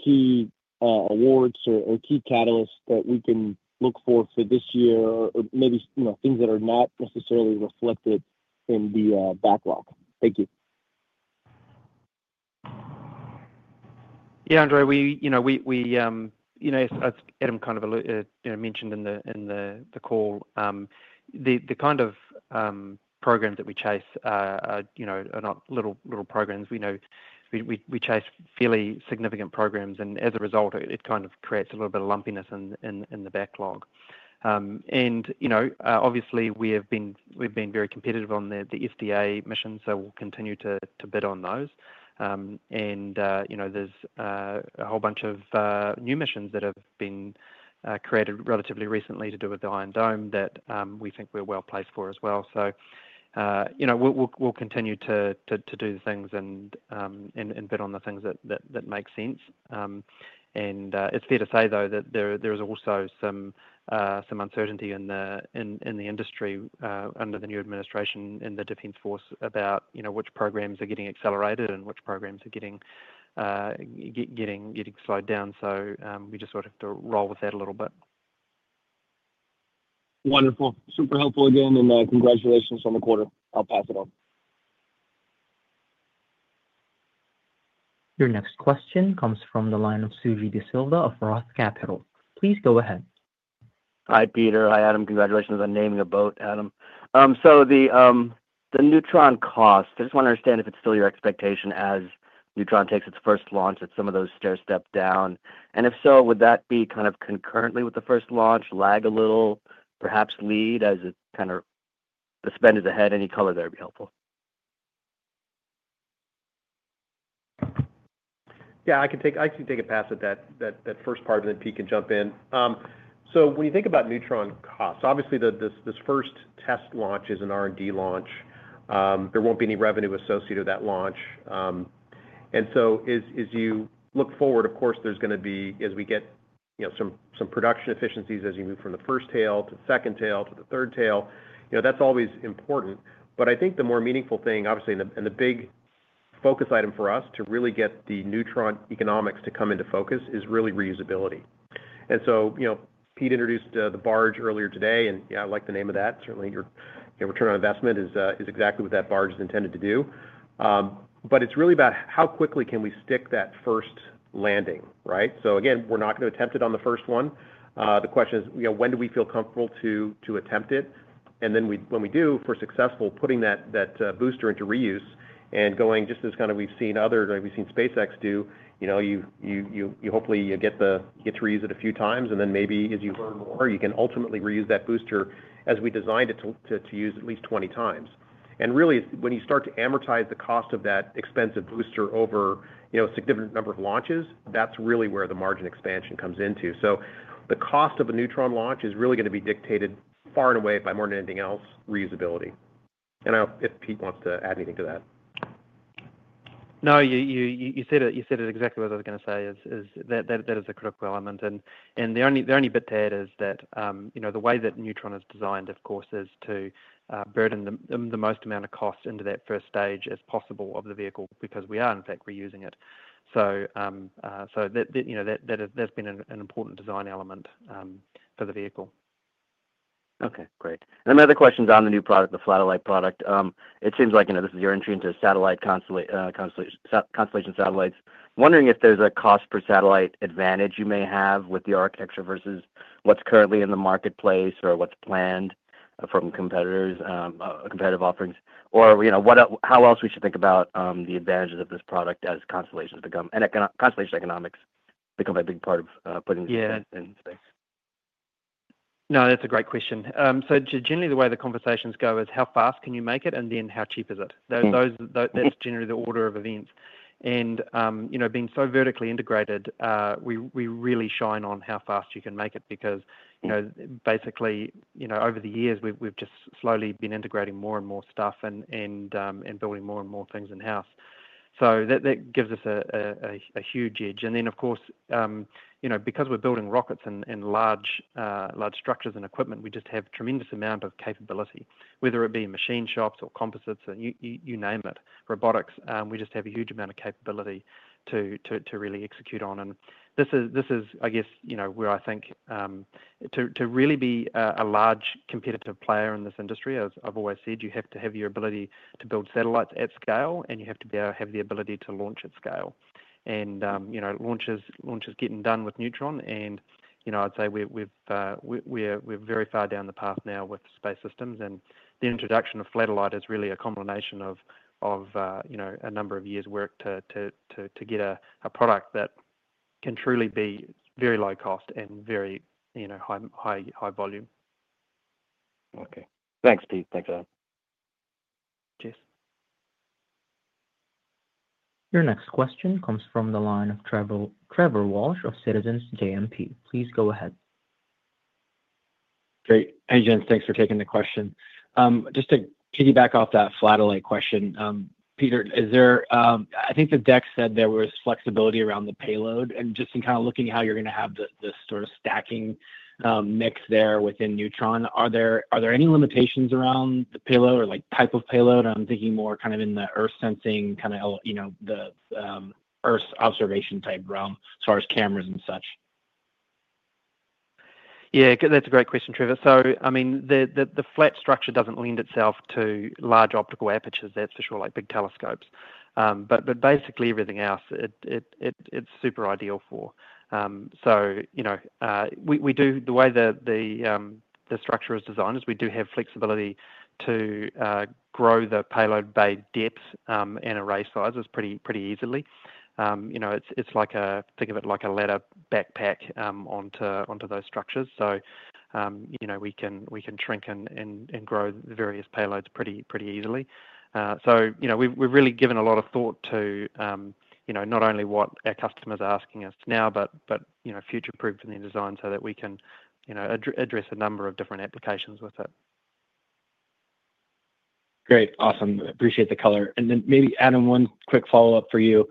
key awards or key catalysts that we can look for for this year, or maybe things that are not necessarily reflected in the backlog? Thank you. Yeah, Andres, as Adam kind of mentioned in the call, the kind of programs that we chase are not little programs. We chase fairly significant programs. And as a result, it kind of creates a little bit of lumpiness in the backlog. And obviously, we've been very competitive on the SDA mission, so we'll continue to bid on those. And there's a whole bunch of new missions that have been created relatively recently to do with the Iron Dome that we think we're well placed for as well. So we'll continue to do things and bid on the things that make sense. And it's fair to say, though, that there is also some uncertainty in the industry under the new administration in the defense force about which programs are getting accelerated and which programs are getting slowed down. So we just sort of have to roll with that a little bit. Wonderful. Super helpful again. And congratulations on the quarter. I'll pass it off. Your next question comes from the line of Suji Desilva of Roth Capital. Please go ahead. Hi, Peter. Hi, Adam. Congratulations on naming a boat, Adam. So the Neutron cost, I just want to understand if it's still your expectation as Neutron takes its first launch at some of those stair-step down. And if so, would that be kind of concurrently with the first launch, lag a little, perhaps lead as it kind of the spend is ahead? Any color there would be helpful. Yeah, I can take a pass at that first part, and then Pete can jump in. So when you think about Neutron cost, obviously, this first test launch is an R&D launch. There won't be any revenue associated with that launch. And so as you look forward, of course, there's going to be, as we get some production efficiencies as you move from the first tail to the second tail to the third tail, that's always important. But I think the more meaningful thing, obviously, and the big focus item for us to really get the Neutron economics to come into focus is really reusability. And so Pete introduced the barge earlier today, and yeah, I like the name of that. Certainly, your Return on Investment is exactly what that barge is intended to do. But it's really about how quickly can we stick that first landing, right? So again, we're not going to attempt it on the first one. The question is, when do we feel comfortable to attempt it? And then when we do, if we're successful, putting that booster into reuse and going just as kind of we've seen others, we've seen SpaceX do, hopefully, you get to reuse it a few times, and then maybe as you learn more, you can ultimately reuse that booster as we designed it to use at least 20 times. And really, when you start to amortize the cost of that expensive booster over a significant number of launches, that's really where the margin expansion comes into. So the cost of a Neutron launch is really going to be dictated far and away by, more than anything else, reusability. I don't know if Pete wants to add anything to that. No, you said it exactly what I was going to say. That is a critical element. And the only bit to add is that the way that Neutron is designed, of course, is to burden the most amount of cost into that first stage as possible of the vehicle because we are, in fact, reusing it. So that's been an important design element for the vehicle. Okay, great. And another question on the new product, the satellite product. It seems like this is your entry into satellite constellation satellites. Wondering if there's a cost per satellite advantage you may have with the architecture versus what's currently in the marketplace or what's planned from competitors' competitive offerings, or how else we should think about the advantages of this product as constellations become and constellation economics become a big part of putting this into space. Yeah. No, that's a great question. So generally, the way the conversations go is how fast can you make it, and then how cheap is it? That's generally the order of events. And being so vertically integrated, we really shine on how fast you can make it because basically, over the years, we've just slowly been integrating more and more stuff and building more and more things in-house. So that gives us a huge edge. And then, of course, because we're building rockets and large structures and equipment, we just have a tremendous amount of capability, whether it be machine shops or composites or you name it, robotics. We just have a huge amount of capability to really execute on. This is, I guess, where I think to really be a large competitive player in this industry, as I've always said, you have to have your ability to build satellites at scale, and you have to have the ability to launch at scale. Launch is getting done with Neutron. I'd say we're very far down the path now with Space Systems. The introduction of Flatellite is really a combination of a number of years' work to get a product that can truly be very low cost and very high volume. Okay. Thanks, Pete. Thanks, Adam. Your next question comes from the line of Trevor Walsh of Citizens JMP. Please go ahead. Great. Hey, Peter. Thanks for taking the question. Just to piggyback off that Flatellite question, Peter, I think the deck said there was flexibility around the payload. Just in kind of looking at how you're going to have this sort of stacking mix there within Neutron, are there any limitations around the payload or type of payload? I'm thinking more kind of in the Earth sensing, kind of the Earth observation type realm as far as cameras and such. Yeah, that's a great question, Trevor. So I mean, the Flatellite doesn't lend itself to large optical apertures, that's for sure, like big telescopes. But basically, everything else, it's super ideal for. So the way the structure is designed is we do have flexibility to grow the payload bay depth and array sizes pretty easily. It's like, think of it like a ladder backpack onto those structures. So we can shrink and grow the various payloads pretty easily. So we've really given a lot of thought to not only what our customers are asking us now, but future-proofing the design so that we can address a number of different applications with it. Great. Awesome. Appreciate the color. And then maybe, Adam, one quick follow-up for you.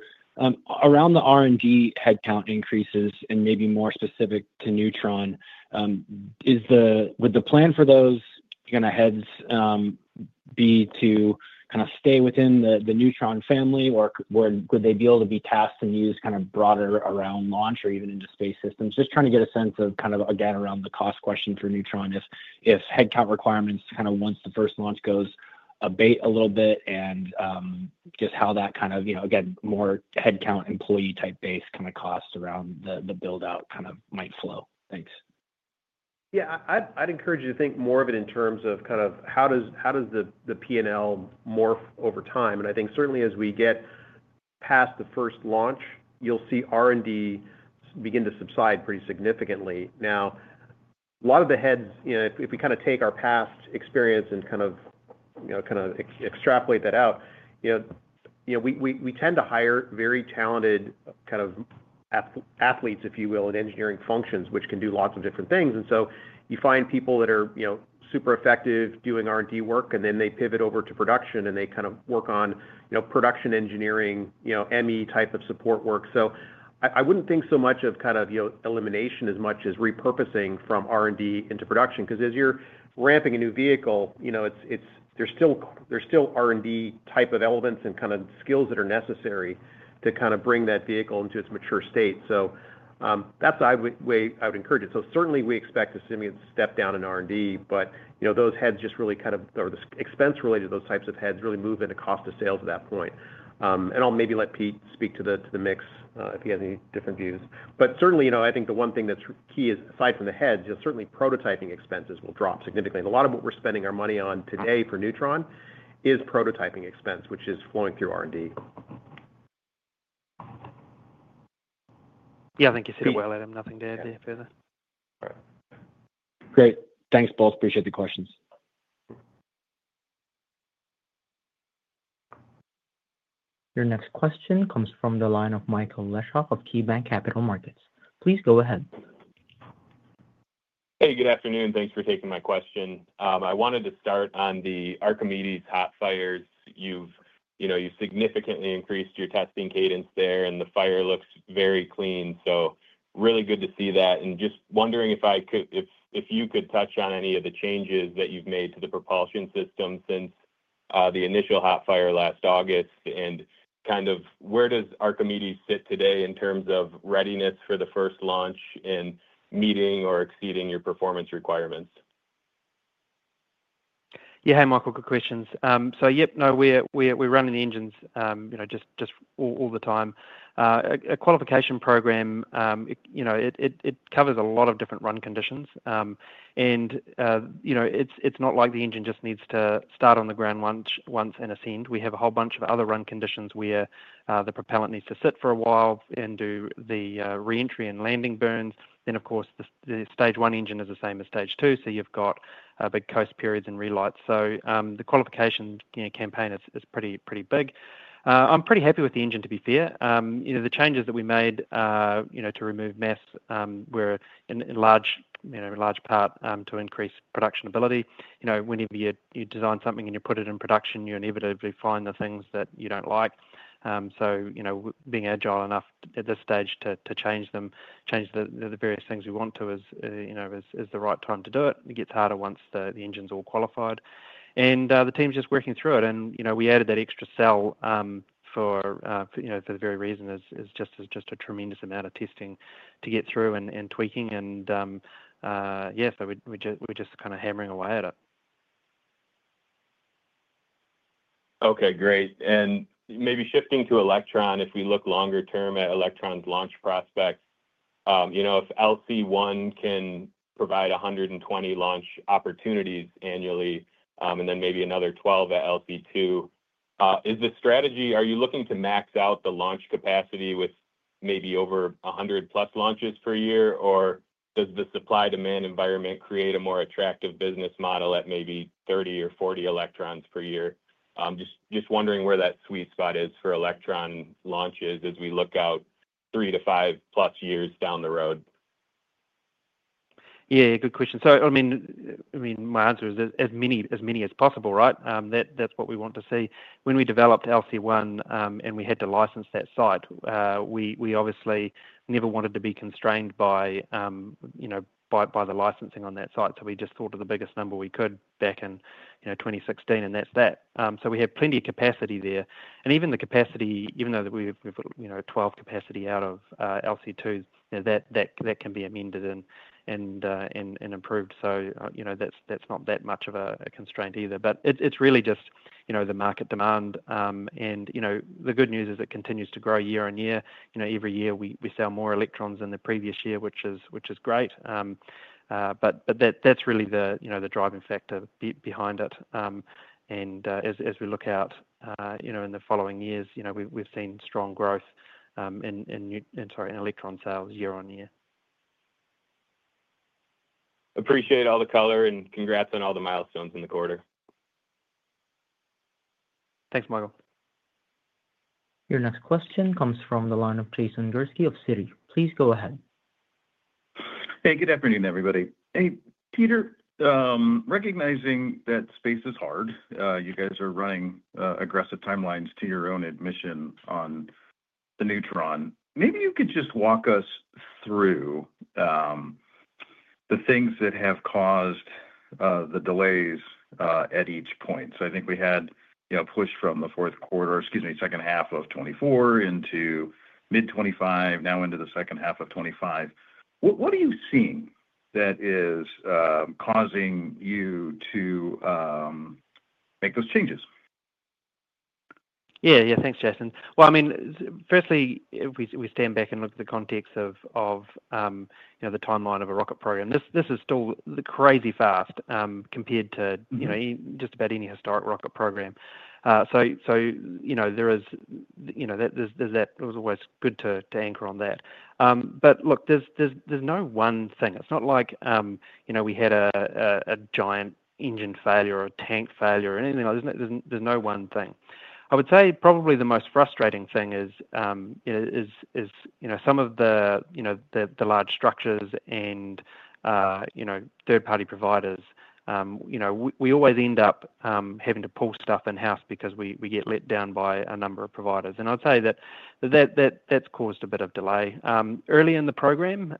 Around the R&D headcount increases and maybe more specific to Neutron, would the plan for those kind of heads be to kind of stay within the Neutron family, or would they be able to be tasked and used kind of broader around launch or even into Space Systems? Just trying to get a sense of kind of, again, around the cost question for Neutron, if headcount requirements kind of once the first launch goes abate a little bit and just how that kind of, again, more headcount employee type base kind of cost around the build-out kind of might flow. Thanks. Yeah, I'd encourage you to think more of it in terms of kind of how does the P&L morph over time. I think certainly as we get past the first launch, you'll see R&D begin to subside pretty significantly. Now, a lot of the heads, if we kind of take our past experience and kind of extrapolate that out, we tend to hire very talented kind of athletes, if you will, in engineering functions, which can do lots of different things. And so you find people that are super effective doing R&D work, and then they pivot over to production, and they kind of work on production engineering, ME type of support work. So I wouldn't think so much of kind of elimination as much as repurposing from R&D into production. Because as you're ramping a new vehicle, there's still R&D type of elements and kind of skills that are necessary to kind of bring that vehicle into its mature state. So that's the way I would encourage it. So certainly, we expect to see a step down in R&D, but those heads just really kind of or the expense related to those types of heads really move into cost of sales at that point. And I'll maybe let Pete speak to the mix if he has any different views. But certainly, I think the one thing that's key is, aside from the heads, certainly prototyping expenses will drop significantly. A lot of what we're spending our money on today for Neutron is prototyping expense, which is flowing through R&D. Yeah, I think you said it well, Adam. Nothing to add there further. All right. Great. Thanks, both. Appreciate the questions. Your next question comes from the line of Michael Leshock of KeyBanc Capital Markets. Please go ahead. Hey, good afternoon. Thanks for taking my question. I wanted to start on the Archimedes hot fires. You've significantly increased your testing cadence there, and the fire looks very clean. So really good to see that. And just wondering if you could touch on any of the changes that you've made to the propulsion system since the initial hot fire last August. And kind of where does Archimedes sit today in terms of readiness for the first launch in meeting or exceeding your performance requirements? Yeah, hey, Michael, good questions. So yep, no, we're running the engines just all the time. A qualification program, it covers a lot of different run conditions. And it's not like the engine just needs to start on the ground once and ascend. We have a whole bunch of other run conditions where the propellant needs to sit for a while and do the re-entry and landing burns. Then, of course, the stage one engine is the same as stage two. So you've got big coast periods and relights. So the qualification campaign is pretty big. I'm pretty happy with the engine, to be fair. The changes that we made to remove mass were in large part to increase production ability. Whenever you design something and you put it in production, you inevitably find the things that you don't like. So being agile enough at this stage to change them, change the various things we want to, is the right time to do it. It gets harder once the engine's all qualified, and the team's just working through it. We added that extra cell for the very reason is just a tremendous amount of testing to get through and tweaking. Yeah, so we're just kind of hammering away at it. Okay, great. Maybe shifting to Electron, if we look longer term at Electron's launch prospects, if LC-1 can provide 120 launch opportunities annually and then maybe another 12 at LC-2, is the strategy are you looking to max out the launch capacity with maybe over 100-plus launches per year, or does the supply-demand environment create a more attractive business model at maybe 30 or 40 Electrons per year? Just wondering where that sweet spot is for Electron launches as we look out three to five-plus years down the road. Yeah, good question. So I mean, my answer is as many as possible, right? That's what we want to see. When we developed LC-1 and we had to license that site, we obviously never wanted to be constrained by the licensing on that site, so we just thought of the biggest number we could back in 2016, and that's that, so we have plenty of capacity there. Even the capacity, even though we've put 12 capacity out of LC-2, that can be amended and improved, so that's not that much of a constraint either. It's really just the market demand. The good news is it continues to grow year on year. Every year, we sell more electrons than the previous year, which is great. That's really the driving factor behind it. As we look out in the following years, we've seen strong growth in, sorry, in electron sales year on year. Appreciate all the color and congrats on all the milestones in the quarter. Thanks, Michael. Your next question comes from the line of Jason Gursky of Citi. Please go ahead. Hey, good afternoon, everybody. Hey, Peter, recognizing that space is hard, you guys are running aggressive timelines to your own admission on the Neutron. Maybe you could just walk us through the things that have caused the delays at each point. So I think we had a push from the fourth quarter, excuse me, second half of 2024 into mid-2025, now into the second half of 2025. What are you seeing that is causing you to make those changes? Yeah, yeah, thanks, Jason. Well, I mean, firstly, if we stand back and look at the context of the timeline of a rocket program, this is still crazy fast compared to just about any historic rocket program. So there is that. It was always good to anchor on that. But look, there's no one thing. It's not like we had a giant engine failure or a tank failure or anything like that. There's no one thing. I would say probably the most frustrating thing is some of the large structures and third-party providers. We always end up having to pull stuff in-house because we get let down by a number of providers. And I'd say that that's caused a bit of delay. Early in the program,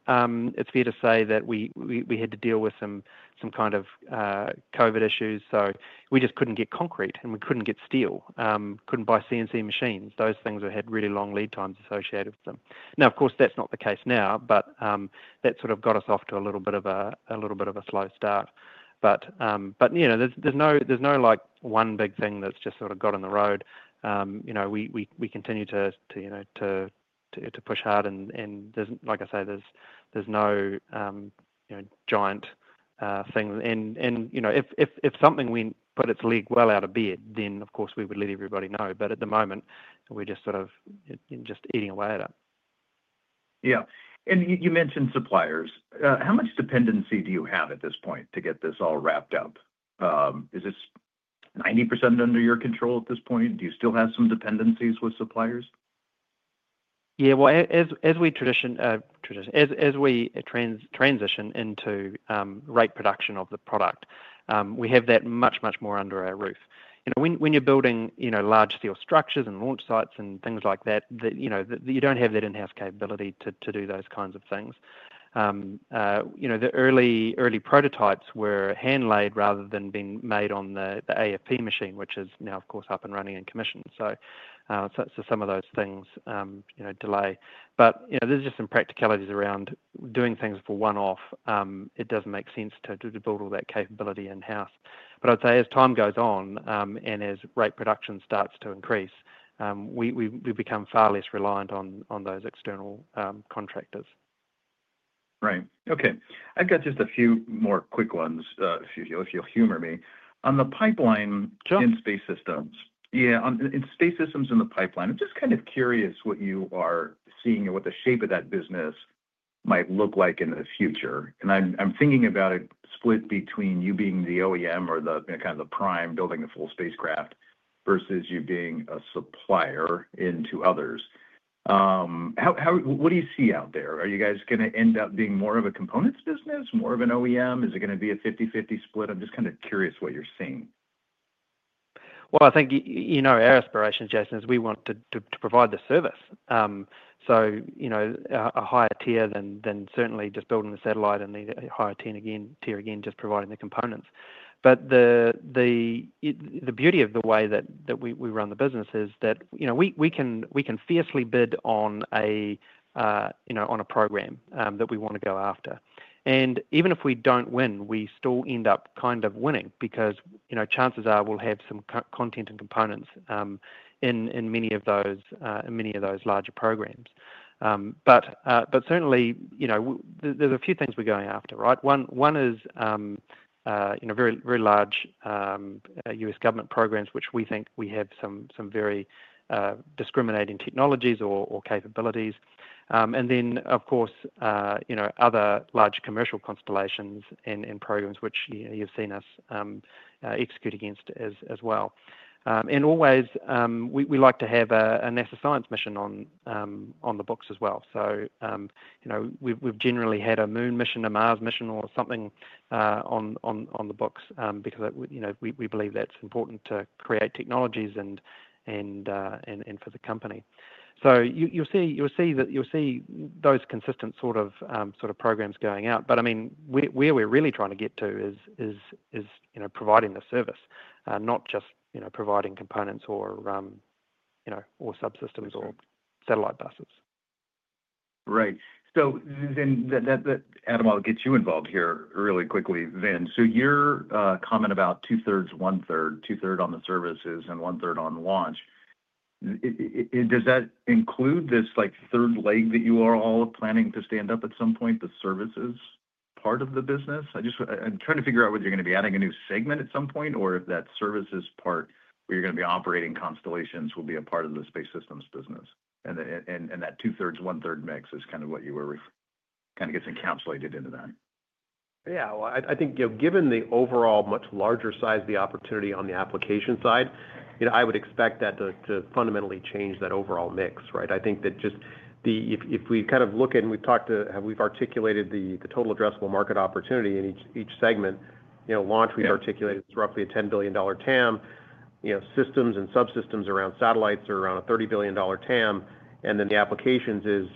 it's fair to say that we had to deal with some kind of COVID issues. So we just couldn't get concrete, and we couldn't get steel, couldn't buy CNC machines. Those things had really long lead times associated with them. Now, of course, that's not the case now, but that sort of got us off to a little bit of a slow start. But there's no one big thing that's just sort of got on the road. We continue to push hard. And like I say, there's no giant thing. And if something went and put its leg well out of bed, then, of course, we would let everybody know. But at the moment, we're just sort of eating away at it. Yeah. And you mentioned suppliers. How much dependency do you have at this point to get this all wrapped up? Is it 90% under your control at this point? Do you still have some dependencies with suppliers? Yeah, well, as we transition into rate production of the product, we have that much, much more under our roof. When you're building large steel structures and launch sites and things like that, you don't have that in-house capability to do those kinds of things. The early prototypes were handlaid rather than being made on the AFP machine, which is now, of course, up and running and commissioned, so some of those things delay, but there's just some practicalities around doing things for one-off. It doesn't make sense to build all that capability in-house, but I'd say as time goes on and as rate production starts to increase, we become far less reliant on those external contractors. Right. Okay. I've got just a few more quick ones if you'll humor me. On the pipeline in Space systems. Yeah, in Space Systems and the pipeline, I'm just kind of curious what you are seeing and what the shape of that business might look like in the future, and I'm thinking about a split between you being the OEM or kind of the prime building the full spacecraft versus you being a supplier into others. What do you see out there? Are you guys going to end up being more of a components business, more of an OEM? Is it going to be a 50/50 split? I'm just kind of curious what you're seeing. Well, I think our aspiration, Jason, is we want to provide the service. So a higher tier than certainly just building the satellite and the higher tier again, just providing the components. But the beauty of the way that we run the business is that we can fiercely bid on a program that we want to go after. And even if we don't win, we still end up kind of winning because chances are we'll have some content and components in many of those larger programs. But certainly, there's a few things we're going after, right? One is very large U.S. government programs, which we think we have some very discriminating technologies or capabilities. And then, of course, other large commercial constellations and programs, which you've seen us execute against as well. And always, we like to have a NASA science mission on the books as well. So we've generally had a Moon mission, a Mars mission, or something on the books because we believe that's important to create technologies and for the company. So you'll see those consistent sort of programs going out. But I mean, where we're really trying to get to is providing the service, not just providing components or subsystems or satellite buses. Right. So then that, Adam, I'll get you involved here really quickly then. Your comment about two-thirds, one-third, two-third on the services and one-third on launch, does that include this third leg that you are all planning to stand up at some point, the services part of the business? I'm trying to figure out whether you're going to be adding a new segment at some point or if that services part where you're going to be operating constellations will be a part of the Space Systems business. And that two-thirds, one-third mix is kind of what you were kind of getting encapsulated into that. Yeah. Well, I think given the overall much larger size of the opportunity on the application side, I would expect that to fundamentally change that overall mix, right? I think that just if we kind of look at and we've articulated the total addressable market opportunity in each segment, launch we've articulated is roughly a $10 billion TAM. Systems and subsystems around satellites are around a $30 billion TAM. And then the applications is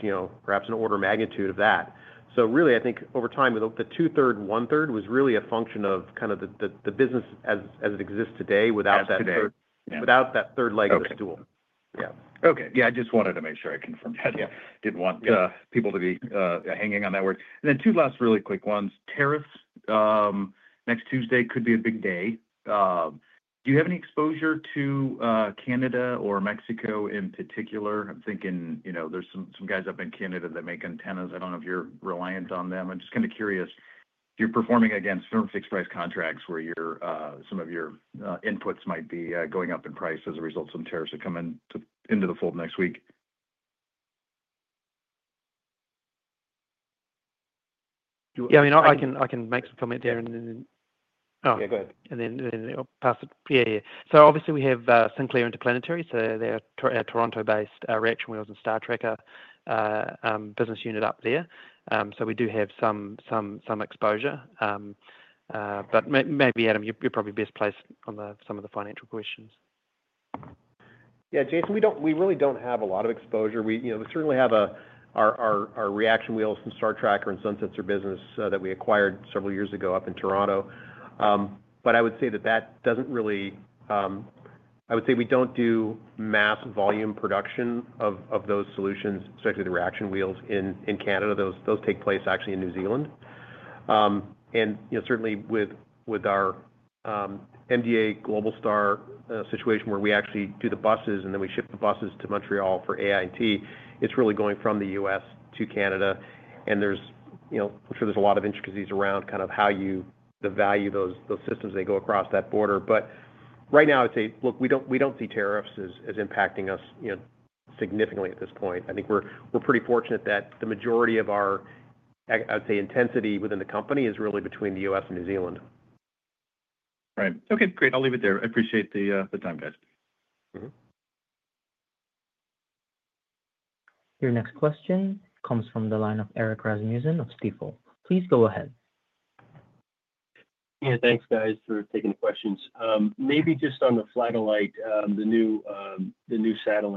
perhaps an order of magnitude of that. So really, I think over time, the two-thirds, one-third was really a function of kind of the business as it exists today without that third leg of the stool. Yeah. Okay. Yeah. I just wanted to make sure I confirmed that. I didn't want people to be hanging on that word. And then two last really quick ones. Tariffs next Tuesday could be a big day. Do you have any exposure to Canada or Mexico in particular? I'm thinking there's some guys up in Canada that make antennas. I don't know if you're reliant on them. I'm just kind of curious. You're performing against firm fixed-price contracts where some of your inputs might be going up in price as a result of some tariffs that come into the fold next week. Yeah. I mean, I can make some comment there and then. Yeah, go ahead. And then pass it. Yeah, yeah. So obviously, we have Sinclair Interplanetary. So they're a Toronto-based reaction wheels and star tracker business unit up there. So we do have some exposure. But maybe, Adam, you're probably best placed on some of the financial questions. Yeah, Jason, we really don't have a lot of exposure. We certainly have our reaction wheels from star tracker and Sinclair business that we acquired several years ago up in Toronto. But I would say that doesn't really. I would say we don't do mass volume production of those solutions, especially the reaction wheels in Canada. Those take place actually in New Zealand. And certainly, with our MDA Globalstar situation where we actually do the buses and then we ship the buses to Montreal for AIT, it's really going from the U.S. to Canada. And I'm sure there's a lot of intricacies around kind of how you value those systems that go across that border. But right now, I'd say, look, we don't see tariffs as impacting us significantly at this point. I think we're pretty fortunate that the majority of our, I'd say, intensity within the company is really between the U.S. and New Zealand. Right. Okay. Great. I'll leave it there. I appreciate the time, guys. Your next question comes from the line of Erik Rasmussen of Stifel. Please go ahead. Yeah. Thanks, guys, for taking the questions. Maybe just on the Flatellite, the new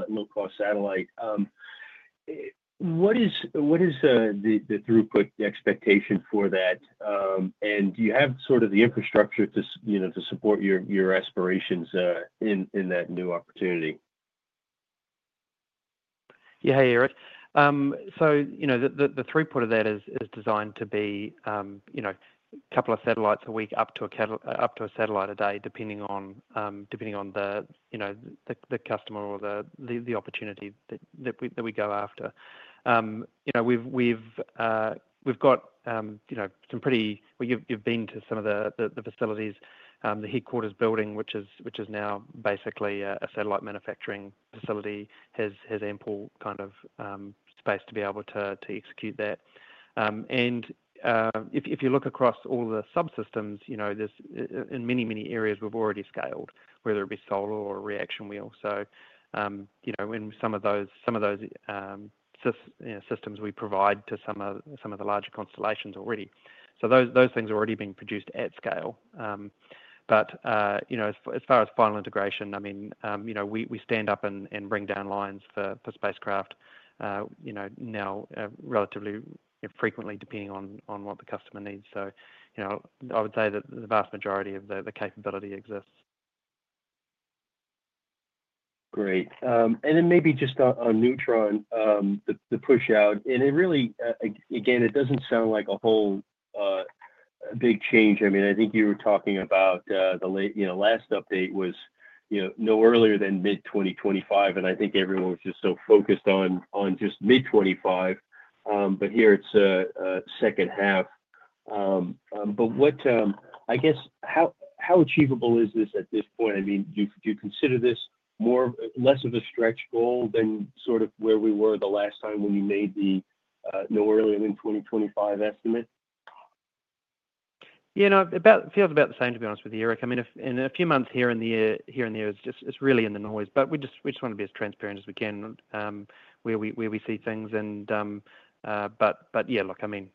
low-cost satellite. What is the throughput expectation for that? And do you have sort of the infrastructure to support your aspirations in that new opportunity? Yeah, Erik. So the throughput of that is designed to be a couple of satellites a week up to a satellite a day, depending on the customer or the opportunity that we go after. We've got some pretty you've been to some of the facilities, the headquarters building, which is now basically a satellite manufacturing facility, has ample kind of space to be able to execute that. And if you look across all the subsystems, in many, many areas, we've already scaled, whether it be solar or reaction wheels. So in some of those systems, we provide to some of the larger constellations already. So those things are already being produced at scale. But as far as final integration, I mean, we stand up and bring down lines for spacecraft now relatively frequently, depending on what the customer needs. So I would say that the vast majority of the capability exists. Great. And then maybe just on Neutron, the push out. And really, again, it doesn't sound like a whole big change. I mean, I think you were talking about the last update was no earlier than mid-2025. And I think everyone was just so focused on just mid-25. But here, it's a second half. But I guess, how achievable is this at this point? I mean, do you consider this less of a stretch goal than sort of where we were the last time when you made the no earlier than 2025 estimate? Yeah. It feels about the same, to be honest with you, Erik. I mean, in a few months here and there, it's really in the noise. But we just want to be as transparent as we can where we see things. But yeah, look, I mean,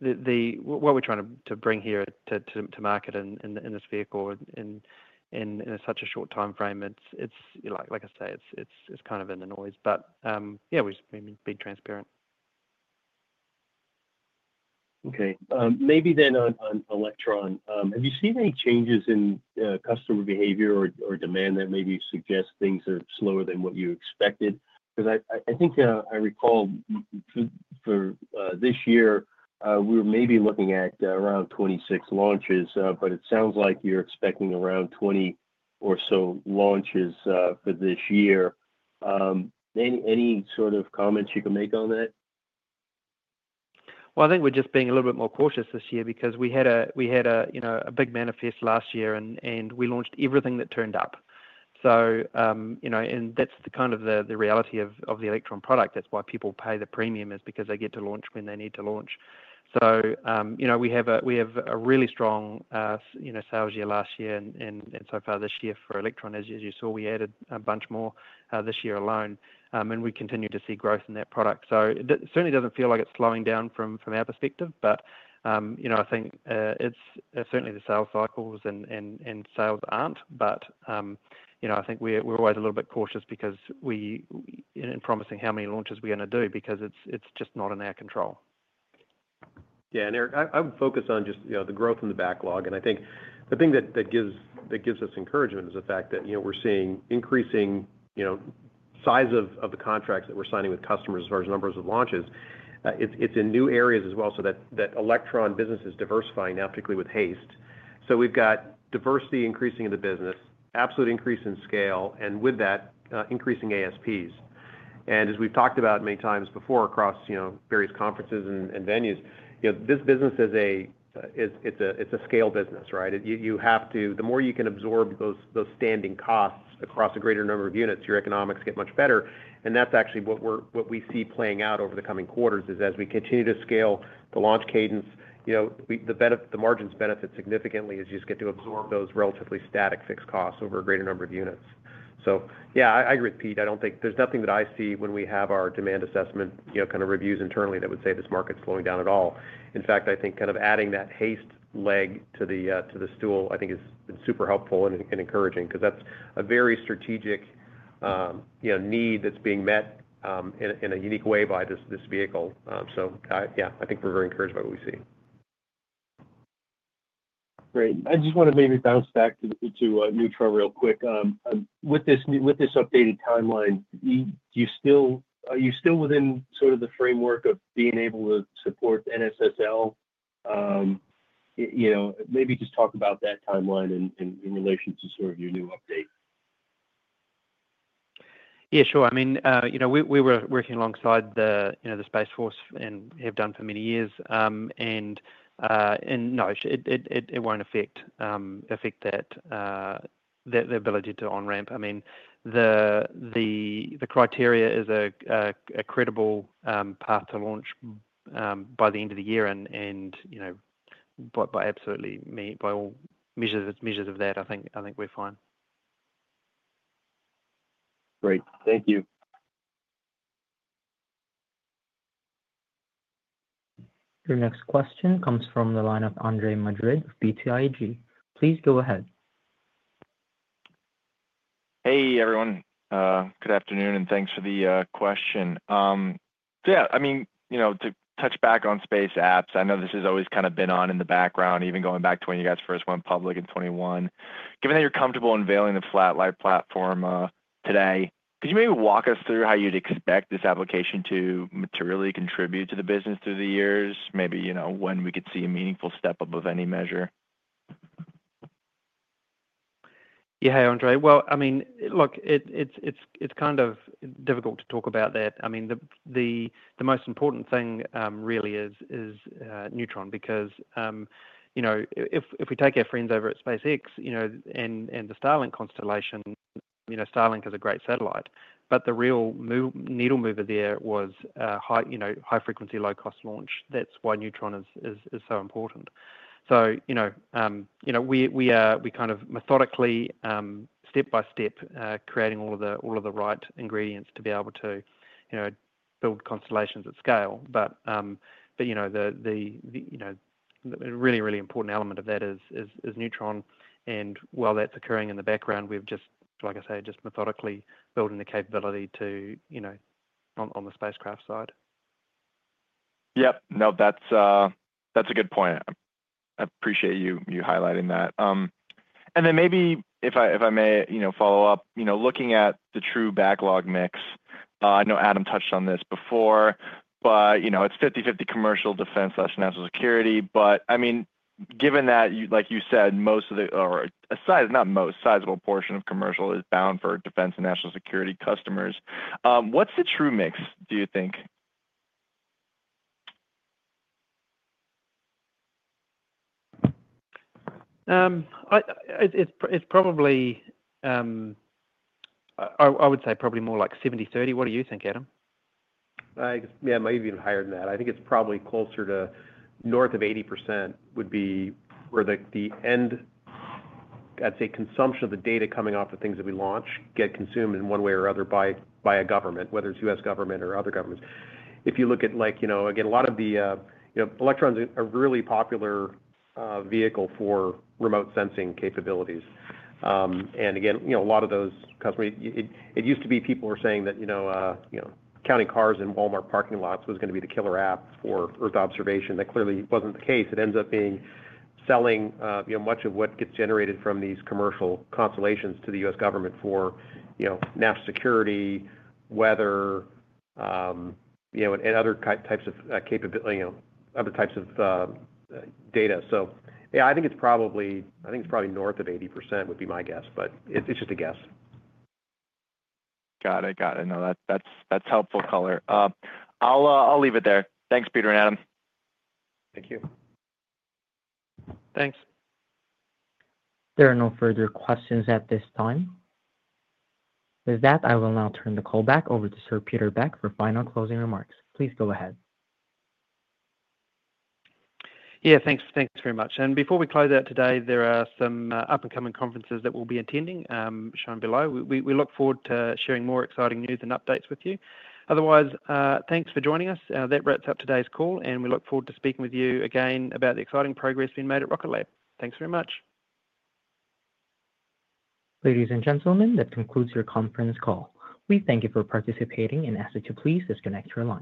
what we're trying to bring here to market in this vehicle in such a short time frame, like I say, it's kind of in the noise. But yeah, we've been transparent. Okay. Maybe then on Electron, have you seen any changes in customer behavior or demand that maybe suggest things are slower than what you expected? Because I think I recall for this year, we were maybe looking at around 26 launches. But it sounds like you're expecting around 20 or so launches for this year. Any sort of comments you can make on that? I think we're just being a little bit more cautious this year because we had a big manifest last year, and we launched everything that turned up. And that's kind of the reality of the Electron product. That's why people pay the premium, is because they get to launch when they need to launch. So we have a really strong sales year last year and so far this year for Electron. As you saw, we added a bunch more this year alone. And we continue to see growth in that product. So it certainly doesn't feel like it's slowing down from our perspective. But I think it's certainly the sales cycles and sales aren't. But I think we're always a little bit cautious in promising how many launches we're going to do because it's just not in our control. Yeah. Erik, I would focus on just the growth and the backlog. I think the thing that gives us encouragement is the fact that we're seeing increasing size of the contracts that we're signing with customers as far as numbers of launches. It's in new areas as well. That Electron business is diversifying now particularly with HASTE. We've got diversity increasing in the business, absolute increase in scale, and with that, increasing ASPs. As we've talked about many times before across various conferences and venues, this business, it's a scale business, right? The more you can absorb those standing costs across a greater number of units, your economics get much better. That's actually what we see playing out over the coming quarters, as we continue to scale the launch cadence. The margins benefit significantly as you just get to absorb those relatively static fixed costs over a greater number of units. So yeah, I agree with Pete. There's nothing that I see when we have our demand assessment kind of reviews internally that would say this market's slowing down at all. In fact, I think kind of adding that HASTE leg to the stool, I think, has been super helpful and encouraging because that's a very strategic need that's being met in a unique way by this vehicle. So yeah, I think we're very encouraged by what we see. Great. I just want to maybe bounce back to Neutron real quick. With this updated timeline, are you still within sort of the framework of being able to support NSSL? Maybe just talk about that timeline in relation to sort of your new update. Yeah, sure. I mean, we were working alongside the Space Force and have done for many years. And no, it won't affect the ability to on-ramp. I mean, the criteria is a credible path to launch by the end of the year. And by absolutely meaning by all measures of that, I think we're fine. Great. Thank you. Your next question comes from the line of Andre Madrid of BTIG. Please go ahead. Hey, everyone. Good afternoon and thanks for the question. Yeah. I mean, to touch back on space apps, I know this has always kind of been on in the background, even going back to when you guys first went public in 2021. Given that you're comfortable unveiling the Flatellite platform today, could you maybe walk us through how you'd expect this application to materially contribute to the business through the years? Maybe when we could see a meaningful step up of any measure. Yeah, hey, Andres. Well, I mean, look, it's kind of difficult to talk about that. I mean, the most important thing really is Neutron because if we take our friends over at SpaceX and the Starlink constellation, Starlink is a great satellite. But the real needle mover there was high-frequency, low-cost launch. That's why Neutron is so important. So we kind of methodically, step by step, creating all of the right ingredients to be able to build constellations at scale. But the really, really important element of that is Neutron. And while that's occurring in the background, we've just, like I say, just methodically building the capability on the spacecraft side. Yep. No, that's a good point. I appreciate you highlighting that. And then maybe, if I may follow up, looking at the true backlog mix, I know Adam touched on this before, but it's 50/50 commercial, defense/national security. But I mean, given that, like you said, most of the or not most, sizable portion of commercial is bound for defense and national security customers. What's the true mix, do you think? It's probably, I would say, probably more like 70/30. What do you think, Adam? Yeah, maybe even higher than that. I think it's probably closer to north of 80% would be where the end, I'd say, consumption of the data coming off the things that we launch get consumed in one way or other by a government, whether it's U.S. government or other governments. If you look at, again, a lot of the Electron's a really popular vehicle for remote sensing capabilities, and again, a lot of those customers, it used to be people were saying that counting cars in Walmart parking lots was going to be the killer app for Earth observation. That clearly wasn't the case. It ends up being selling much of what gets generated from these commercial constellations to the U.S. government for national security, weather, and other types of data. So yeah, I think it's probably north of 80% would be my guess. But it's just a guess. Got it. Got it. No, that's helpful color. I'll leave it there. Thanks, Peter and Adam. Thank you. Thanks. There are no further questions at this time. With that, I will now turn the call back over to Sir Peter Beck for final closing remarks. Please go ahead. Yeah. Thanks very much. And before we close out today, there are some up-and-coming conferences that we'll be attending shown below. We look forward to sharing more exciting news and updates with you. Otherwise, thanks for joining us. That wraps up today's call. And we look forward to speaking with you again about the exciting progress being made at Rocket Lab. Thanks very much. Ladies and gentlemen, that concludes your conference call. We thank you for participating and ask that you please disconnect your line.